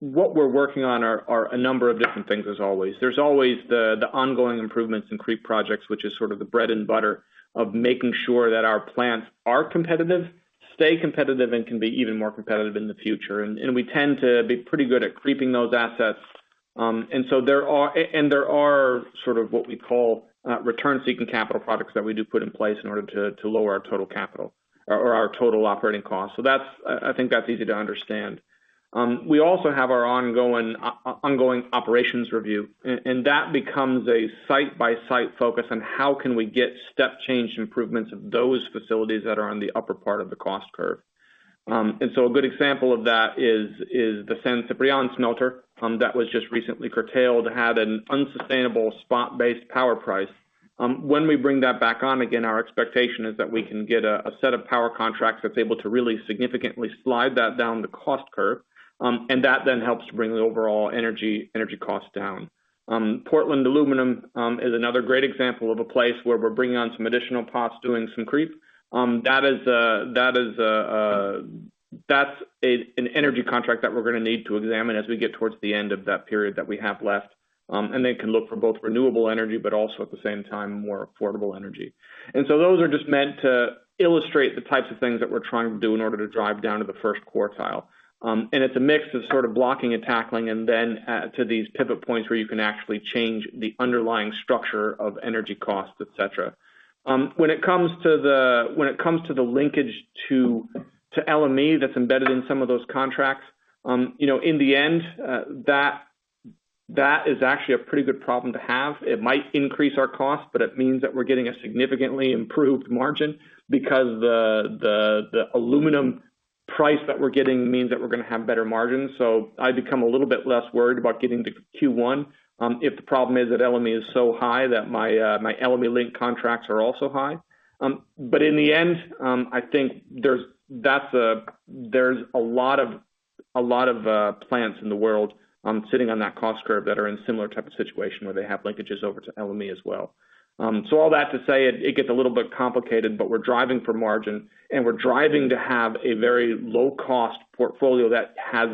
what we're working on are a number of different things as always. There's always the ongoing improvements in creep projects, which is sort of the bread and butter of making sure that our plants are competitive, stay competitive, and can be even more competitive in the future. We tend to be pretty good at creeping those assets. There are sort of what we call return-seeking capital projects that we do put in place in order to lower our total capital or our total operating costs. That's easy to understand. We also have our ongoing operations review and that becomes a site-by-site focus on how can we get step change improvements of those facilities that are on the upper part of the cost curve. A good example of that is the San Ciprián smelter that was just recently curtailed, had an unsustainable spot-based power price. When we bring that back on, again, our expectation is that we can get a set of power contracts that's able to really significantly slide that down the cost curve. That then helps to bring the overall energy costs down. Portland Aluminum is another great example of a place where we're bringing on some additional pots, doing some creep. That's an energy contract that we're going to need to examine as we get towards the end of that period that we have left, and then can look for both renewable energy, but also at the same time, more affordable energy. Those are just meant to illustrate the types of things that we're trying to do in order to drive down to the first quartile. It's a mix of sort of blocking and tackling, and then to these pivot points where you can actually change the underlying structure of energy costs, et cetera. When it comes to the linkage to LME that's embedded in some of those contracts, you know, in the end, that is actually a pretty good problem to have. It might increase our cost but it means that we're getting a significantly improved margin because the aluminum price that we're getting means that we're going to have better margins. I become a little bit less worried about getting to Q1, if the problem is that LME is so high that my LME link contracts are also high. In the end, I think there's a lot of plants in the world sitting on that cost curve that are in similar type of situation where they have linkages over to LME as well. All that to say, it gets a little bit complicated, but we're driving for margin, and we're driving to have a very low-cost portfolio that has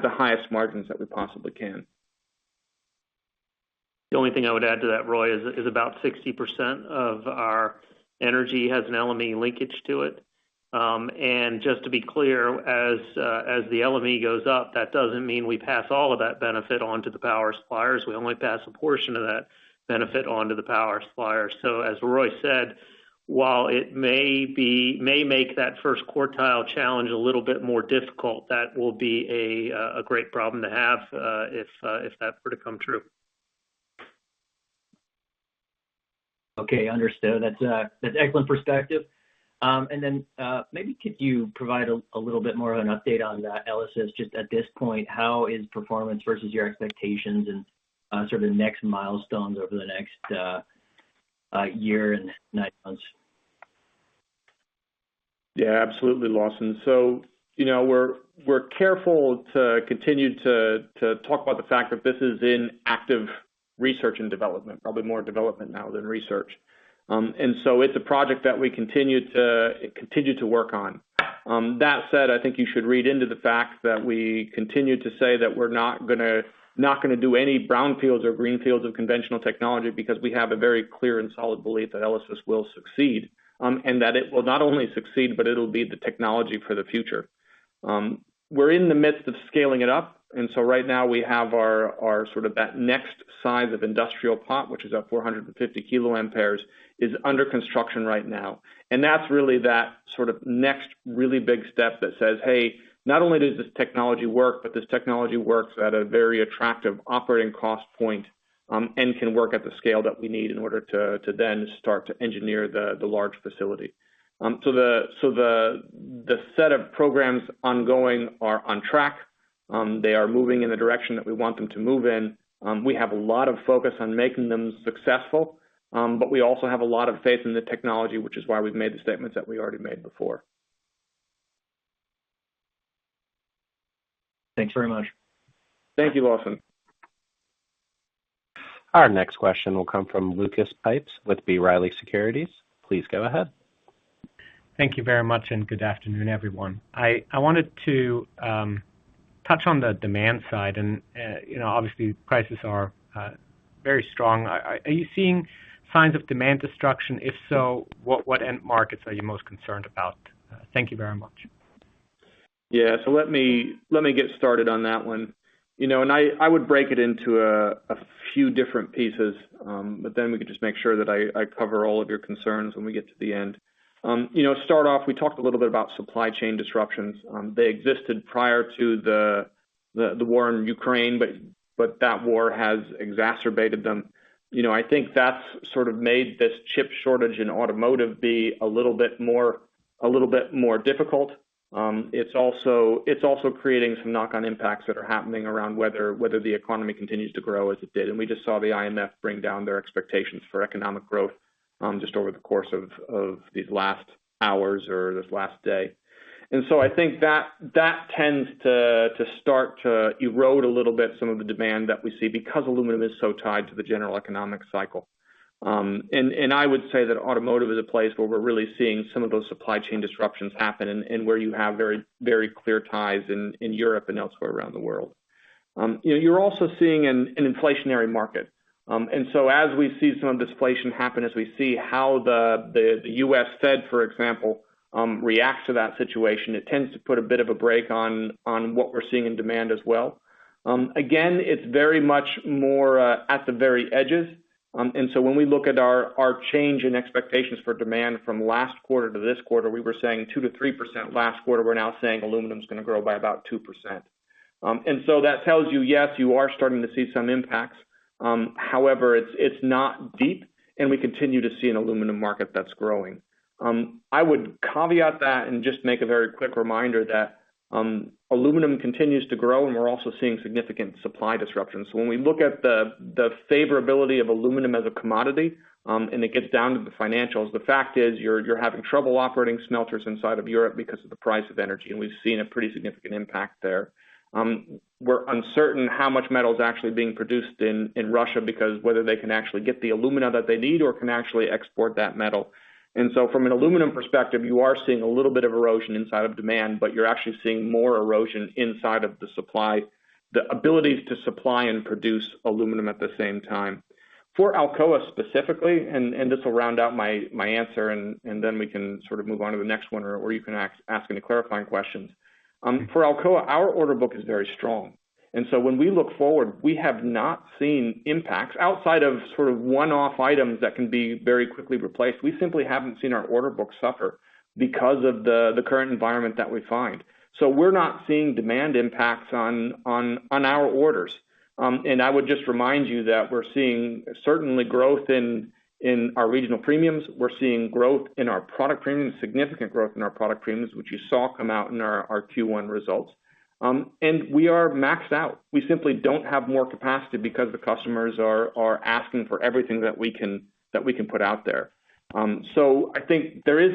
the highest margins that we possibly can. The only thing I would add to that, Roy, is about 60% of our energy has an LME linkage to it. To be clear, as the LME goes up, that doesn't mean we pass all of that benefit on to the power suppliers. We only pass a portion of that benefit on to the power suppliers. As Roy said, while it may make that first quartile challenge a little bit more difficult, that will be a great problem to have, if that were to come true. Okay, understood. That's excellent perspective. Maybe could you provide a little bit more of an update on the Elysis just at this point, how is performance versus your expectations and sort of next milestones over the next year and nine months? Yeah, absolutely, Lawson. We're careful to continue to talk about the fact that this is in active research and development, probably more development now than research. It's a project that we continue to work on. With that said, I think you should read into the fact that we continue to say that we're not going to do any brownfields or greenfields of conventional technology because we have a very clear and solid belief that Elysis will succeed. That it will not only succeed, but it'll be the technology for the future. We're in the midst of scaling it up, and so right now we have our sort of that next size of industrial pot, which is at 450 kA, is under construction right now. That's really that sort of next really big step that says, "Hey, not only does this technology work, but this technology works at a very attractive operating cost point, and can work at the scale that we need in order to then start to engineer the large facility." The set of programs ongoing are on track. They are moving in the direction that we want them to move in. We have a lot of focus on making them successful, but we also have a lot of faith in the technology, which is why we've made the statements that we already made before. Thanks very much. Thank you, Lawson. Our next question will come from Lucas Pipes with B. Riley Securities. Please go ahead. Thank you very much, and good afternoon, everyone. I wanted to touch on the demand side and, you know, obviously prices are very strong. Are you seeing signs of demand destruction? If so, what end markets are you most concerned about? Thank you very much. Yeah. Let me get started on that one. I would break it into a few different pieces but then we can just make sure that I cover all of your concerns when we get to the end. Start off, we talked a little bit about supply chain disruptions. They existed prior to the war in Ukraine, but that war has exacerbated them. I think that's sort of made this chip shortage in automotive be a little bit more difficult. It's also creating some knock-on impacts that are happening around whether the economy continues to grow as it did. We just saw the IMF bring down their expectations for economic growth just over the course of these last hours or this last day. I think that tends to start to erode a little bit some of the demand that we see because aluminum is so tied to the general economic cycle. I would say that automotive is a place where we're really seeing some of those supply chain disruptions happen and where you have very clear ties in Europe and elsewhere around the world. You're also seeing an inflationary market. As we see some of this inflation happen, as we see how the U.S. Fed, for example, reacts to that situation, it tends to put a bit of a break on what we're seeing in demand as well. Again, it's very much more at the very edges. When we look at our change in expectations for demand from last quarter to this quarter, we were saying 2% to 3% last quarter, we're now saying aluminum's going to grow by about 2%. That tells you, yes, you are starting to see some impacts. However, it's not deep, and we continue to see an aluminum market that's growing. I would caveat that and just make a very quick reminder that aluminum continues to grow and we're also seeing significant supply disruptions. When we look at the favorability of aluminum as a commodity, and it gets down to the financials, the fact is you're having trouble operating smelters inside of Europe because of the price of energy, and we've seen a pretty significant impact there. We're uncertain how much metal is actually being produced in Russia because whether they can actually get the alumina that they need or can actually export that metal. From an aluminum perspective, you are seeing a little bit of erosion inside of demand, but you're actually seeing more erosion inside of the supply, the abilities to supply and produce aluminum at the same time. For Alcoa specifically, and this will round out my answer, and then we can sort of move on to the next one, or you can ask any clarifying questions. For Alcoa, our order book is very strong. When we look forward, we have not seen impacts outside of sort of one-off items that can be very quickly replaced. We simply haven't seen our order book suffer because of the current environment that we find. We're not seeing demand impacts on our orders. I would just remind you that we're seeing certainly growth in our regional premiums. We're seeing growth in our product premiums, significant growth in our product premiums, which you saw come out in our Q1 results. We are maxed out. We simply don't have more capacity because the customers are asking for everything that we can put out there. I think there is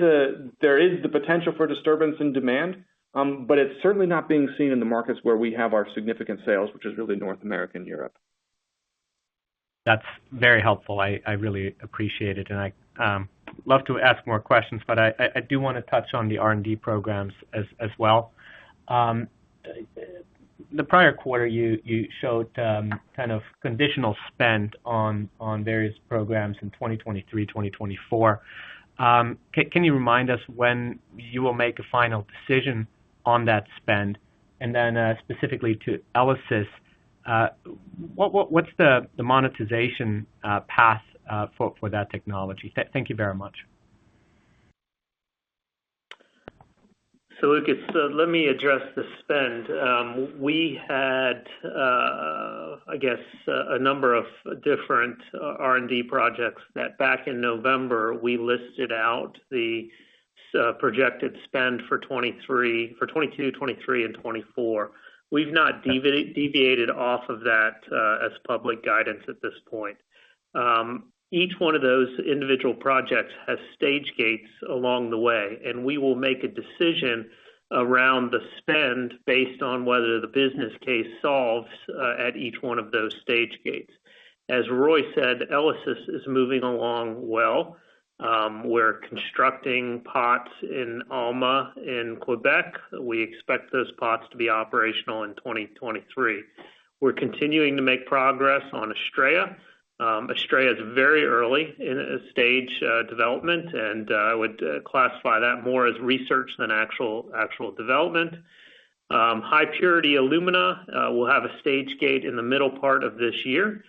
the potential for disturbance in demand, but it's certainly not being seen in the markets where we have our significant sales, which is really North America and Europe. That's very helpful. I really appreciate it and I love to ask more questions. I do want to touch on the R&D programs as well. The prior quarter, you showed kind of conditional spend on various programs in 2023, 2024. Can you remind us when you will make a final decision on that spend? Then, specifically to Elysis, what's the monetization path for that technology? Thank you very much. Lucas, let me address the spend. We had a number of different R&D projects that back in November, we listed out the projected spend for 2022, 2023, and 2024. We've not deviated off of that, as public guidance at this point. Each one of those individual projects has stage gates along the way, and we will make a decision around the spend based on whether the business case solves, at each one of those stage gates. As Roy said, Elysis is moving along well. We're constructing pots in Alma, in Quebec. We expect those pots to be operational in 2023. We're continuing to make progress on Astraea. Astraea is very early in stage development and I would classify that more as research than actual development. High-purity alumina will have a stage gate in the middle part of this year.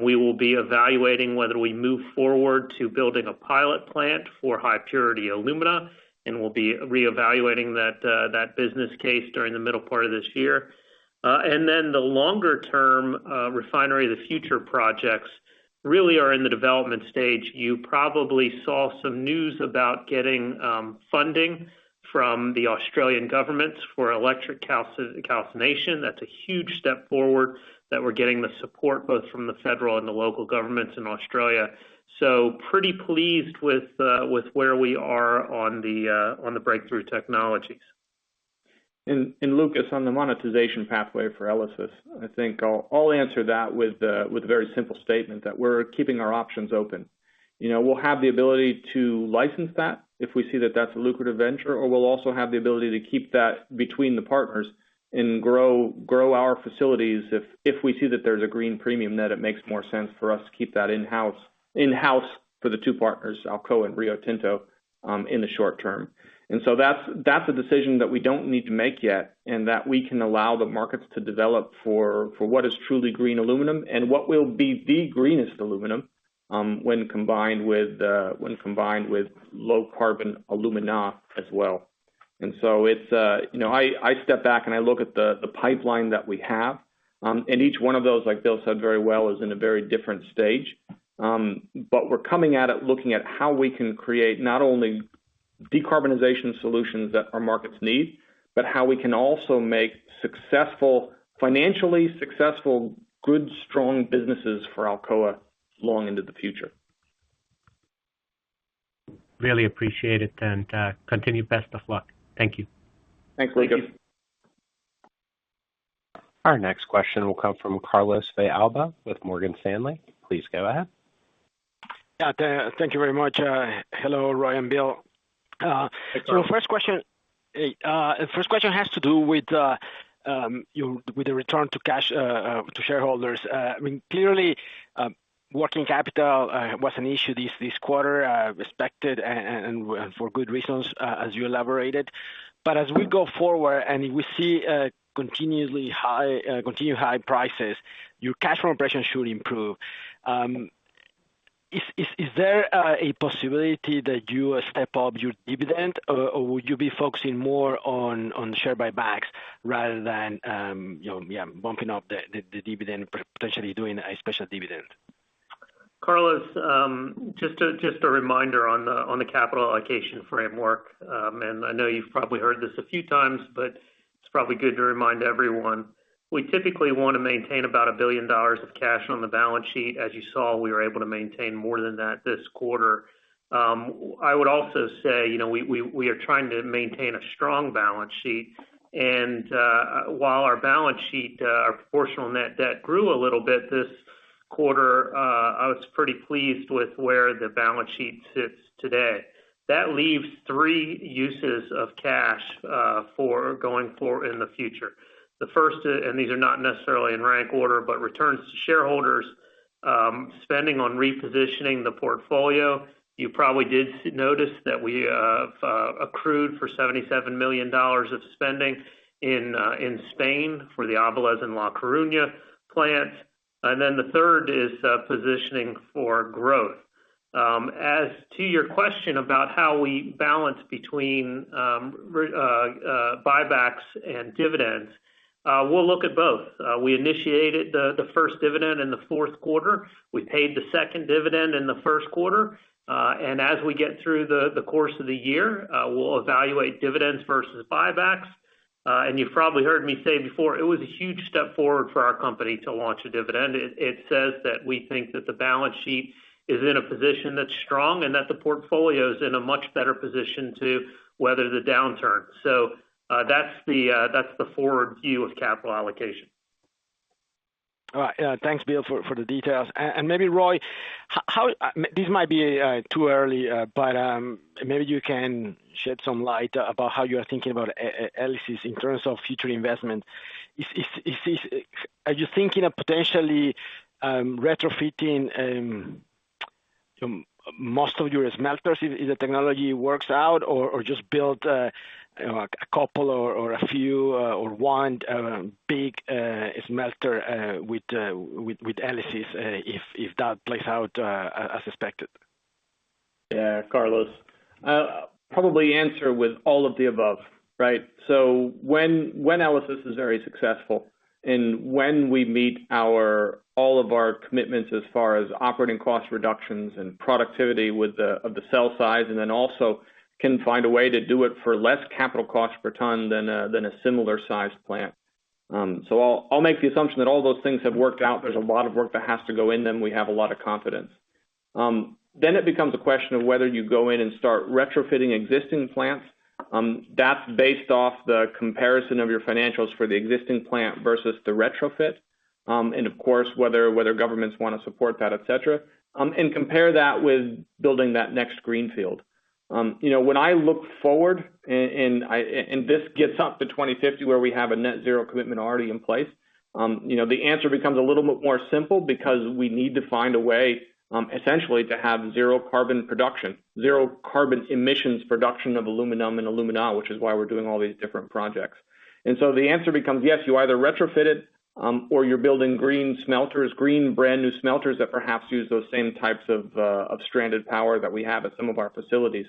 We will be evaluating whether we move forward to building a pilot plant for high-purity alumina and we'll be reevaluating that business case during the middle part of this year. The longer term, Refinery of the Future projects really are in the development stage. You probably saw some news about getting funding from the Australian governments for electric calcination. That's a huge step forward that we're getting the support both from the federal and the local governments in Australia so pretty pleased with where we are on the breakthrough technologies. Lucas, on the monetization pathway for Elysis, I think I'll answer that with a very simple statement that we're keeping our options open. We'll have the ability to license that if we see that that's a lucrative venture, or we'll also have the ability to keep that between the partners and grow our facilities if we see that there's a green premium net, it makes more sense for us to keep that in-house for the two partners, Alcoa and Rio Tinto, in the short term. That's a decision that we don't need to make yet, and that we can allow the markets to develop for what is truly green aluminum, and what will be the greenest aluminum when combined with low carbon alumina as well. I step back and I look at the pipeline that we have, and each one of those, like Bill said very well, is in a very different stage. We're coming at it looking at how we can create not only decarbonization solutions that our markets need, but how we can also make successful, financially successful, good, strong businesses for Alcoa long into the future. I really appreciate it and continue. Best of luck. Thank you. Thanks, Lucas. Thank you. Our next question will come from Carlos de Alba with Morgan Stanley. Please go ahead. Yeah, thank you very much. Hello, Roy and Bill. Hey, Carlos. First question has to do with the return of cash to shareholders. I mean, clearly, working capital was an issue this quarter, expected and for good reasons, as you elaborated. As we go forward and we see continued high prices, your cash flow from operations should improve. Is there a possibility that you step up your dividend, or would you be focusing more on share buybacks rather than you know, bumping up the dividend, potentially doing a special dividend? Carlos, just a reminder on the capital allocation framework. I know you've probably heard this a few times, but it's probably good to remind everyone. We typically want to maintain about $1 billion of cash on the balance sheet. As you saw, we were able to maintain more than that this quarter. I would also say, you know, we are trying to maintain a strong balance sheet. While our balance sheet, our proportional net debt grew a little bit this quarter, I was pretty pleased with where the balance sheet sits today. That leaves three uses of cash for going forward in the future. The first, and these are not necessarily in rank order, but returns to shareholders, spending on repositioning the portfolio. You probably did notice that we accrued for $77 million of spending in Spain for the Avilés and La Coruña plant. The third is positioning for growth. As to your question about how we balance between buybacks and dividends, we'll look at both. We initiated the first dividend in the fourth quarter. We paid the second dividend in the first quarter. As we get through the course of the year, we'll evaluate dividends versus buybacks. You've probably heard me say before, it was a huge step forward for our company to launch a dividend. It says that we think that the balance sheet is in a position that's strong and that the portfolio is in a much better position to weather the downturn. That's the forward view of capital allocation. All right. Thanks, Bill for the details, and maybe Roy, this might be too early, but maybe you can shed some light about how you are thinking about Elysis in terms of future investment. Is this? Are you thinking of potentially retrofitting most of your smelters if the technology works out or just build a couple or a few or one big smelter with Elysis, if that plays out as expected? Yeah, Carlos. I'll probably answer with all of the above, right? When Elysis is very successful and when we meet all of our commitments as far as operating cost reductions and productivity with the cell size, and then also can find a way to do it for less capital cost per ton than a similar-sized plant. I'll make the assumption that all those things have worked out. There's a lot of work that has to go in them. We have a lot of confidence. It becomes a question of whether you go in and start retrofitting existing plants. That's based off the comparison of your financials for the existing plant versus the retrofit and, of course, whether governments want to support that, et cetera, and compare that with building that next greenfield. When I look forward and this gets up to 2050 where we have a net-zero commitment already in place, you know, the answer becomes a little bit more simple because we need to find a way, essentially to have zero carbon production, zero carbon emissions production of aluminum and alumina, which is why we're doing all these different projects. The answer becomes, yes, you either retrofit it, or you're building green smelters, green brand new smelters that perhaps use those same types of stranded power that we have at some of our facilities.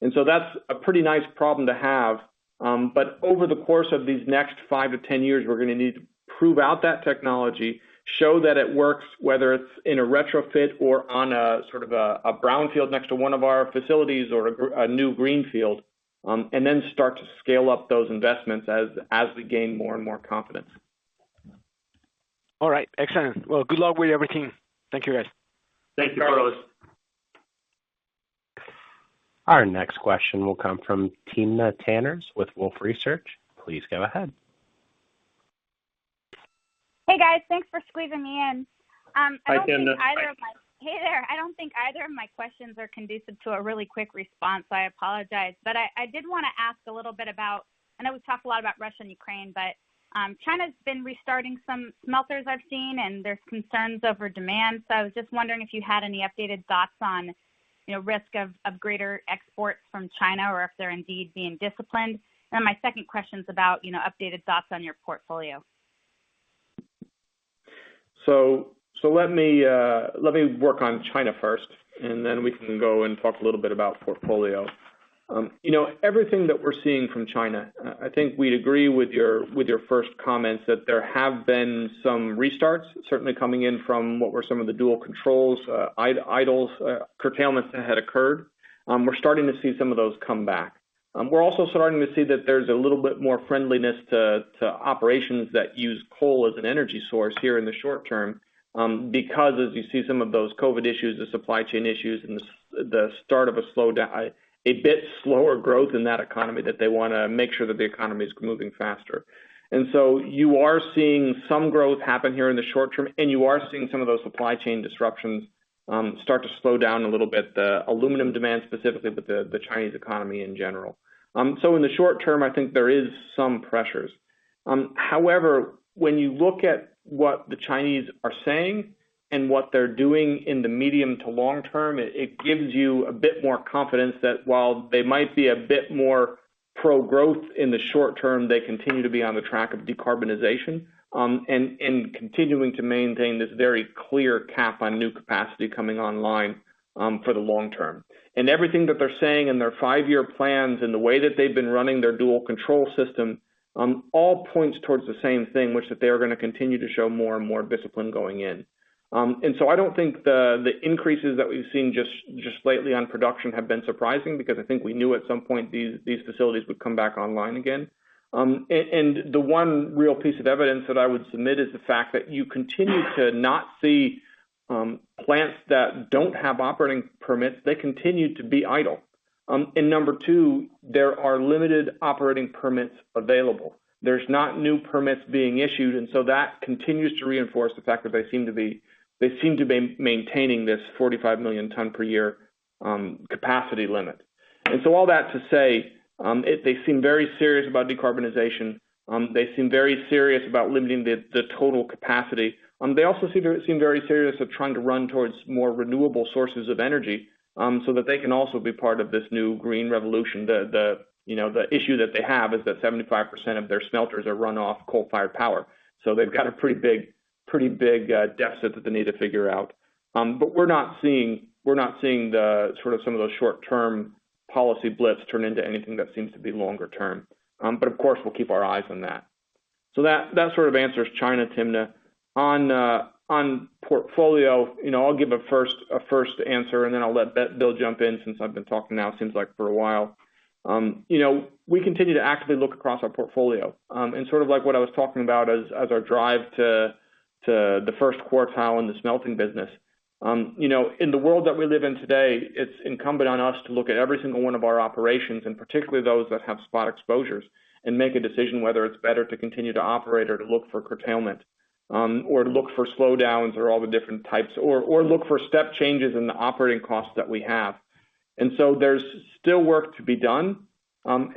That's a pretty nice problem to have. Over the course of these next five years to 10 years, we're going to need to prove out that technology, show that it works, whether it's in a retrofit or on a sort of a brownfield next to one of our facilities or a new greenfield, and then start to scale up those investments as we gain more and more confidence. All right. Excellent. Well, good luck with everything. Thank you, guys. Thanks, Carlos. Our next question will come from Timna Tanners with Wolfe Research. Please go ahead. Hey, guys. Thanks for squeezing me in. Hi, Timna. I don't think either of my, hey there. I don't think either of my questions are conducive to a really quick response. I apologize. I did want to ask a little bit about, I know we've talked a lot about Russia and Ukraine, but China's been restarting some smelters I've seen, and there's concerns over demand. I was just wondering if you had any updated thoughts on, you know, risk of greater exports from China or if they're indeed being disciplined. My second question is about, you know, updated thoughts on your portfolio. Let me work on China first, and then we can go and talk a little bit about portfolio. Everything that we're seeing from China, I think we agree with your first comments that there have been some restarts, certainly coming in from what were some of the dual control idles, curtailments that had occurred. We're starting to see some of those come back. We're also starting to see that there's a little bit more friendliness to operations that use coal as an energy source here in the short term, because as you see some of those COVID issues, the supply chain issues and the start of a bit slower growth in that economy that they want to make sure that the economy is moving faster. You are seeing some growth happen here in the short term, and you are seeing some of those supply chain disruptions start to slow down a little bit, the aluminum demand specifically with the Chinese economy in general. In the short term, I think there is some pressures. However, when you look at what the Chinese are saying and what they're doing in the medium to long term, it gives you a bit more confidence that while they might be a bit more pro-growth in the short term, they continue to be on the track of decarbonization, and continuing to maintain this very clear cap on new capacity coming online for the long term. Everything that they're saying in their five-year plans and the way that they've been running their dual control system, all points towards the same thing, which that they are going to continue to show more and more discipline going in. I don't think the increases that we've seen just lately on production have been surprising because I think we knew at some point these facilities would come back online again. The one real piece of evidence that I would submit is the fact that you continue to not see plants that don't have operating permits, they continue to be idle. Number two, there are limited operating permits available. There's no new permits being issued, and so that continues to reinforce the fact that they seem to be maintaining this 45 million tons per year capacity limit. All that to say, if they seem very serious about decarbonization, they seem very serious about limiting the total capacity. They also seem very serious about trying to run towards more renewable sources of energy, so that they can also be part of this new green revolution. The issue that they have is that 75% of their smelters are run off coal-fired power. They've got a pretty big deficit that they need to figure out. We're not seeing the sort of some of those short-term policy blips turn into anything that seems to be longer term but, of course, we'll keep our eyes on that. That sort of answers China, Timna. On portfolio, you know, I'll give a first answer, and then I'll let Bill jump in since I've been talking now seems like for a while. We continue to actively look across our portfolio. Sort of like what I was talking about as our drive to the first quartile in the smelting business. In the world that we live in today, it's incumbent on us to look at every single one of our operations, and particularly those that have spot exposures, and make a decision whether it's better to continue to operate or to look for curtailment, or to look for slowdowns or all the different types or look for step changes in the operating costs that we have. There's still work to be done.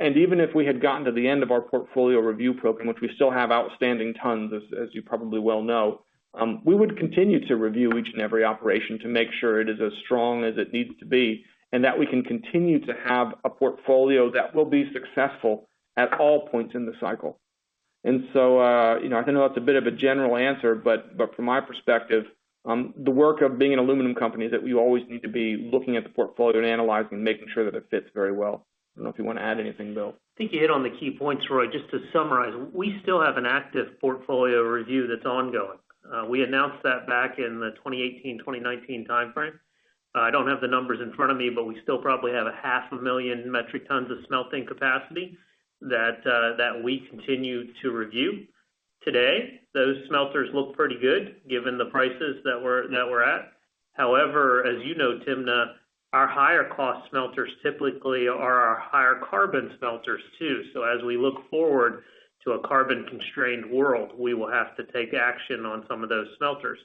Even if we had gotten to the end of our portfolio review program, which we still have outstanding tons, as you probably well know, we would continue to review each and every operation to make sure it is as strong as it needs to be, and that we can continue to have a portfolio that will be successful at all points in the cycle. I know that's a bit of a general answer, but from my perspective, the work of being an aluminum company that we always need to be looking at the portfolio and analyzing, making sure that it fits very well. I don't know if you want to add anything, Bill. I think you hit on the key points, Roy. To summarize, we still have an active portfolio review that's ongoing. We announced that back in the 2018, 2019 timeframe. I don't have the numbers in front of me, but we still probably have a half a million metric tons of smelting capacity that we continue to review. Today, those smelters look pretty good given the prices that we're at. However, as you know, Timna, our higher cost smelters typically are our higher carbon smelters too. As we look forward to a carbon-constrained world, we will have to take action on some of those smelters.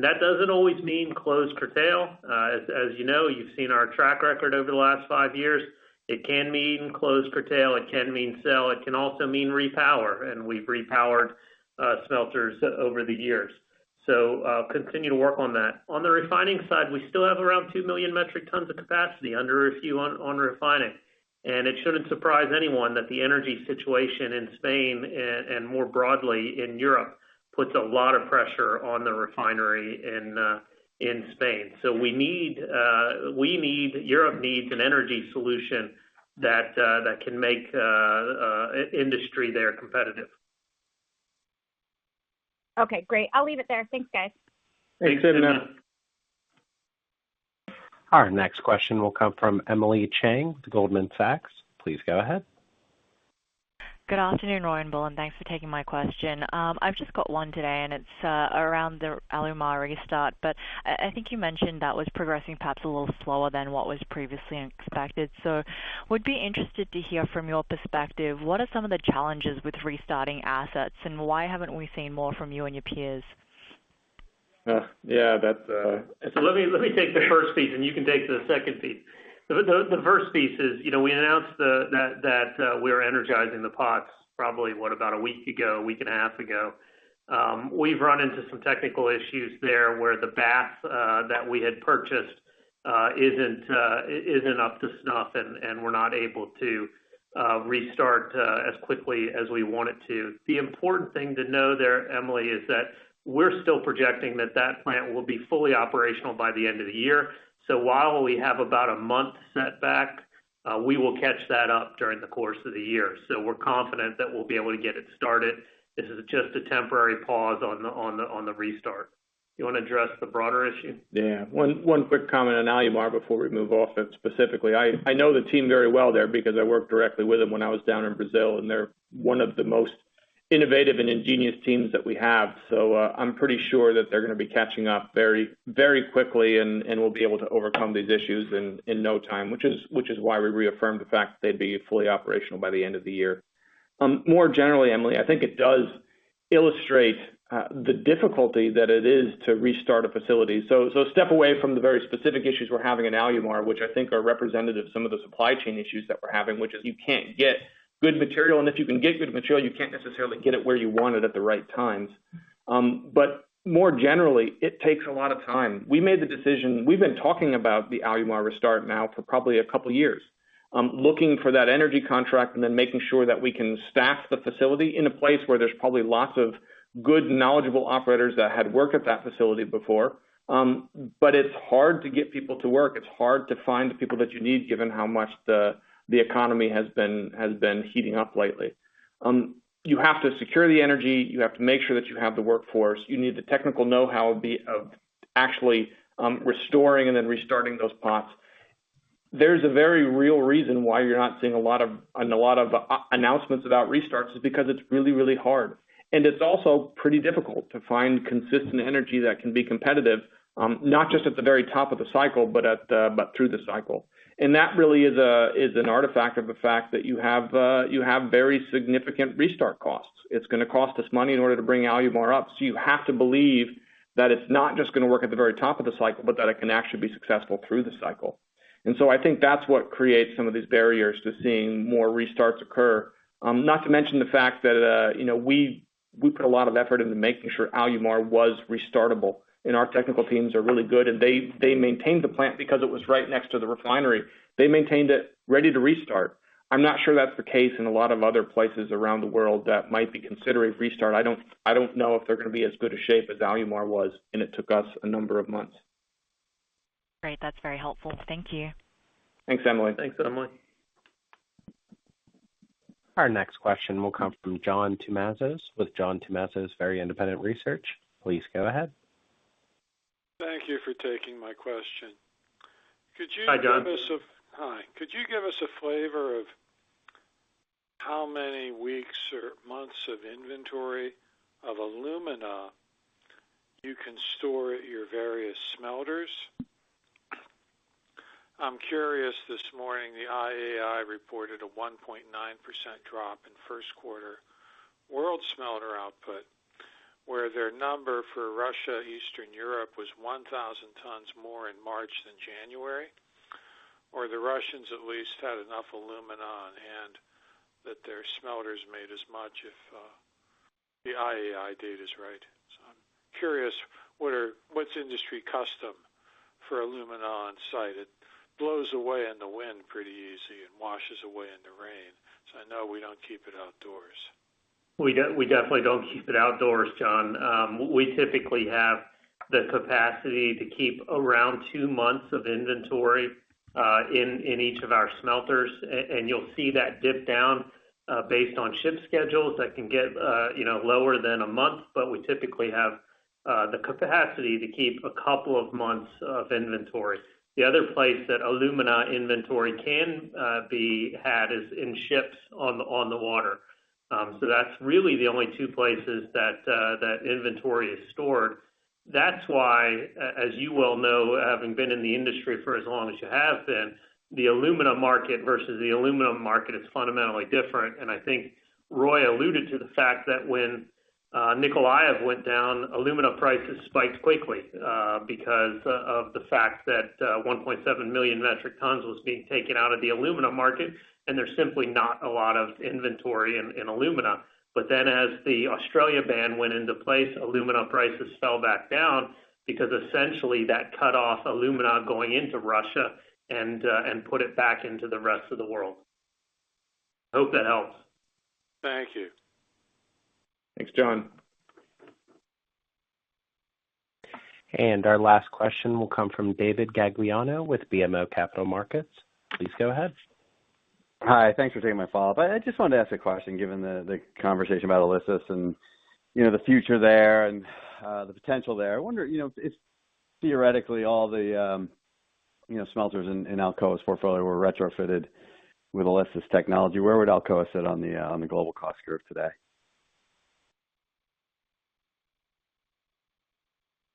That doesn't always mean close or curtail. As you know, you've seen our track record over the last five years. It can mean close, curtail, it can mean sell, it can also mean repower, and we've repowered smelters over the years. Continue to work on that. On the refining side, we still have around 2 million metric tons of capacity under review on refining. It shouldn't surprise anyone that the energy situation in Spain and more broadly in Europe puts a lot of pressure on the refinery in Spain. Europe needs an energy solution that can make industry there competitive. Okay, great. I'll leave it there. Thanks, guys. Thanks, Timna. Our next question will come from Emily Chieng with Goldman Sachs. Please go ahead. Good afternoon, Roy and Bill, and thanks for taking my question. I've just got one today, and it's around the Alumar restart. I think you mentioned that was progressing perhaps a little slower than what was previously expected. I would be interested to hear from your perspective, what are some of the challenges with restarting assets, and why haven't we seen more from you and your peers? Yeah, that's. Let me take the first piece, and you can take the second piece. The first piece is, you know, we announced that we're energizing the pots probably about a week ago, a week and a half ago. We've run into some technical issues there where the bath that we had purchased isn't up to snuff, and we're not able to restart as quickly as we want it to. The important thing to know there, Emily, is that we're still projecting that the plant will be fully operational by the end of the year. While we have about a month setback, we will catch that up during the course of the year. We're confident that we'll be able to get it started. This is just a temporary pause on the restart. You want to address the broader issue? Yeah. One quick comment on Alumar before we move off it specifically. I know the team very well there because I worked directly with them when I was down in Brazil, and they're one of the most innovative, and ingenious teams that we have. I'm pretty sure that they're going to be catching up very, very quickly and will be able to overcome these issues in no time, which is why we reaffirmed the fact that they'd be fully operational by the end of the year. More generally, Emily, I think it does illustrate the difficulty that it is to restart a facility. Step away from the very specific issues we're having in Alumar, which I think are representative of some of the supply chain issues that we're having, which is you can't get good material, and if you can get good material, you can't necessarily get it where you want it at the right times. More generally, it takes a lot of time. We've been talking about the Alumar restart now for probably a couple years, looking for that energy contract and then making sure that we can staff the facility in a place where there's probably lots of good and knowledgeable operators that had worked at that facility before. It's hard to get people to work. It's hard to find the people that you need, given how much the economy has been heating up lately. You have to secure the energy. You have to make sure that you have the workforce. You need the technical know-how of actually restoring and then restarting those pots. There's a very real reason why you're not seeing a lot of announcements about restarts is because it's really, really hard. It's also pretty difficult to find consistent energy that can be competitive, not just at the very top of the cycle, but through the cycle. That really is an artifact of the fact that you have very significant restart costs. It's going to cost us money in order to bring Alumar up, so you have to believe that it's not just going to work at the very top of the cycle, but that it can actually be successful through the cycle. I think that's what creates some of these barriers to seeing more restarts occur. Not to mention the fact that, you know, we put a lot of effort into making sure Alumar was restartable, and our technical teams are really good. They maintained the plant because it was right next to the refinery. They maintained it ready to restart. I'm not sure that's the case in a lot of other places around the world that might be considering restart. I don't know if they're going to be as good a shape as Alumar was and it took us a number of months. Great. That's very helpful. Thank you. Thanks, Emily. Thanks, Emily. Our next question will come from John Tumazos with John Tumazos Very Independent Research. Please go ahead. Thank you for taking my question. Could you? Hi, John. Hi. Could you give us a flavor of how many weeks or months of inventory of alumina you can store at your various smelters? I'm curious, this morning, the IAI reported a 1.9% drop in first quarter world smelter output, where their number for Russia, Eastern Europe was 1,000 tons more in March than January. The Russians at least had enough alumina on hand that their smelters made as much, if the IAI data's right. I'm curious, what's industry custom for alumina on site? It blows away in the wind pretty easy and washes away in the rain, so I know we don't keep it outdoors. We definitely don't keep it outdoors, John. We typically have the capacity to keep around two months of inventory in each of our smelters. You'll see that dip down, based on ship schedules that can get, you know, lower than a month. We typically have the capacity to keep a couple of months of inventory. The other place that alumina inventory can be had is in ships on the water. That's really the only two places that inventory is stored. That's why, as you well know, having been in the industry for as long as you have been, the alumina market versus the aluminum market is fundamentally different. I think Roy alluded to the fact that when Mykolaiv went down, alumina prices spiked quickly, because of the fact that 1.7 million metric tons was being taken out of the aluminum market, and there's simply not a lot of inventory in alumina. As the Australia ban went into place, alumina prices fell back down because essentially that cut off alumina going into Russia and put it back into the rest of the world. Hope that helps. Thank you. Thanks, John. Our last question will come from David Gagliano with BMO Capital Markets. Please go ahead. Hi. Thanks for taking my follow-up. I just wanted to ask a question, given the conversation about Elysis and, you know, the future there and the potential there. I wonder, you know, if theoretically all the smelters in Alcoa's portfolio were retrofitted with Elysis technology, where would Alcoa sit on the global cost curve today?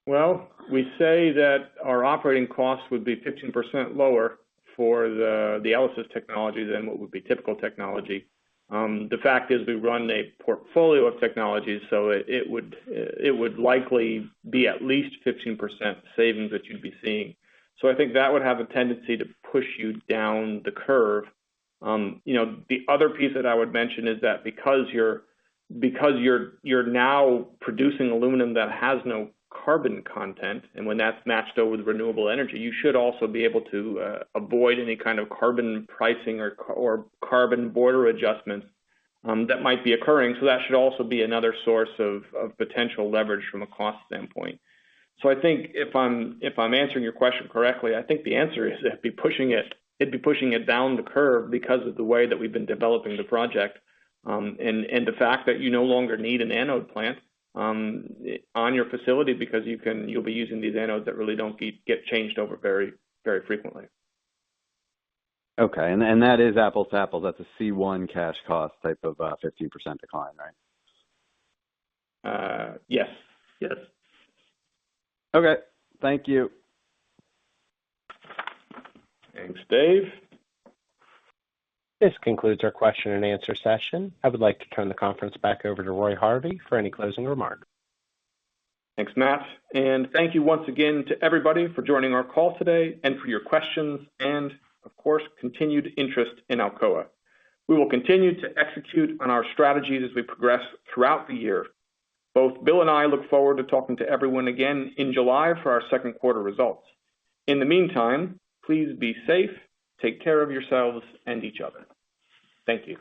Well, we say that our operating costs would be 15% lower for the Elysis technology than what would be typical technology. The fact is we run a portfolio of technologies, so it would likely be at least 15% savings that you'd be seeing. I think that would have a tendency to push you down the curve. The other piece that I would mention is that because you're now producing aluminum that has no carbon content, and when that's matched, though, with renewable energy, you should also be able to avoid any kind of carbon pricing or carbon border adjustments that might be occurring. That should also be another source of potential leverage from a cost standpoint. I think if I'm answering your question correctly, I think the answer is it'd be pushing it down the curve because of the way that we've been developing the project, and the fact that you no longer need an anode plant on your facility because you'll be using these anodes that really don't get changed over very, very frequently. Okay. That is apples to apples. That's a C1 cash cost type of 15% decline, right? Yes. Yes. Okay. Thank you. Thanks, Dave. This concludes our question and answer session. I would like to turn the conference back over to Roy Harvey for any closing remarks. Thanks, Matt. Thank you once again to everybody for joining our call today and for your questions and, of course, continued interest in Alcoa. We will continue to execute on our strategies as we progress throughout the year. Both Bill and I look forward to talking to everyone again in July for our second quarter results. In the meantime, please be safe, take care of yourselves, and each other. Thank you.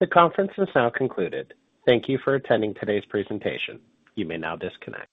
The conference is now concluded. Thank you for attending today's presentation. You may now disconnect.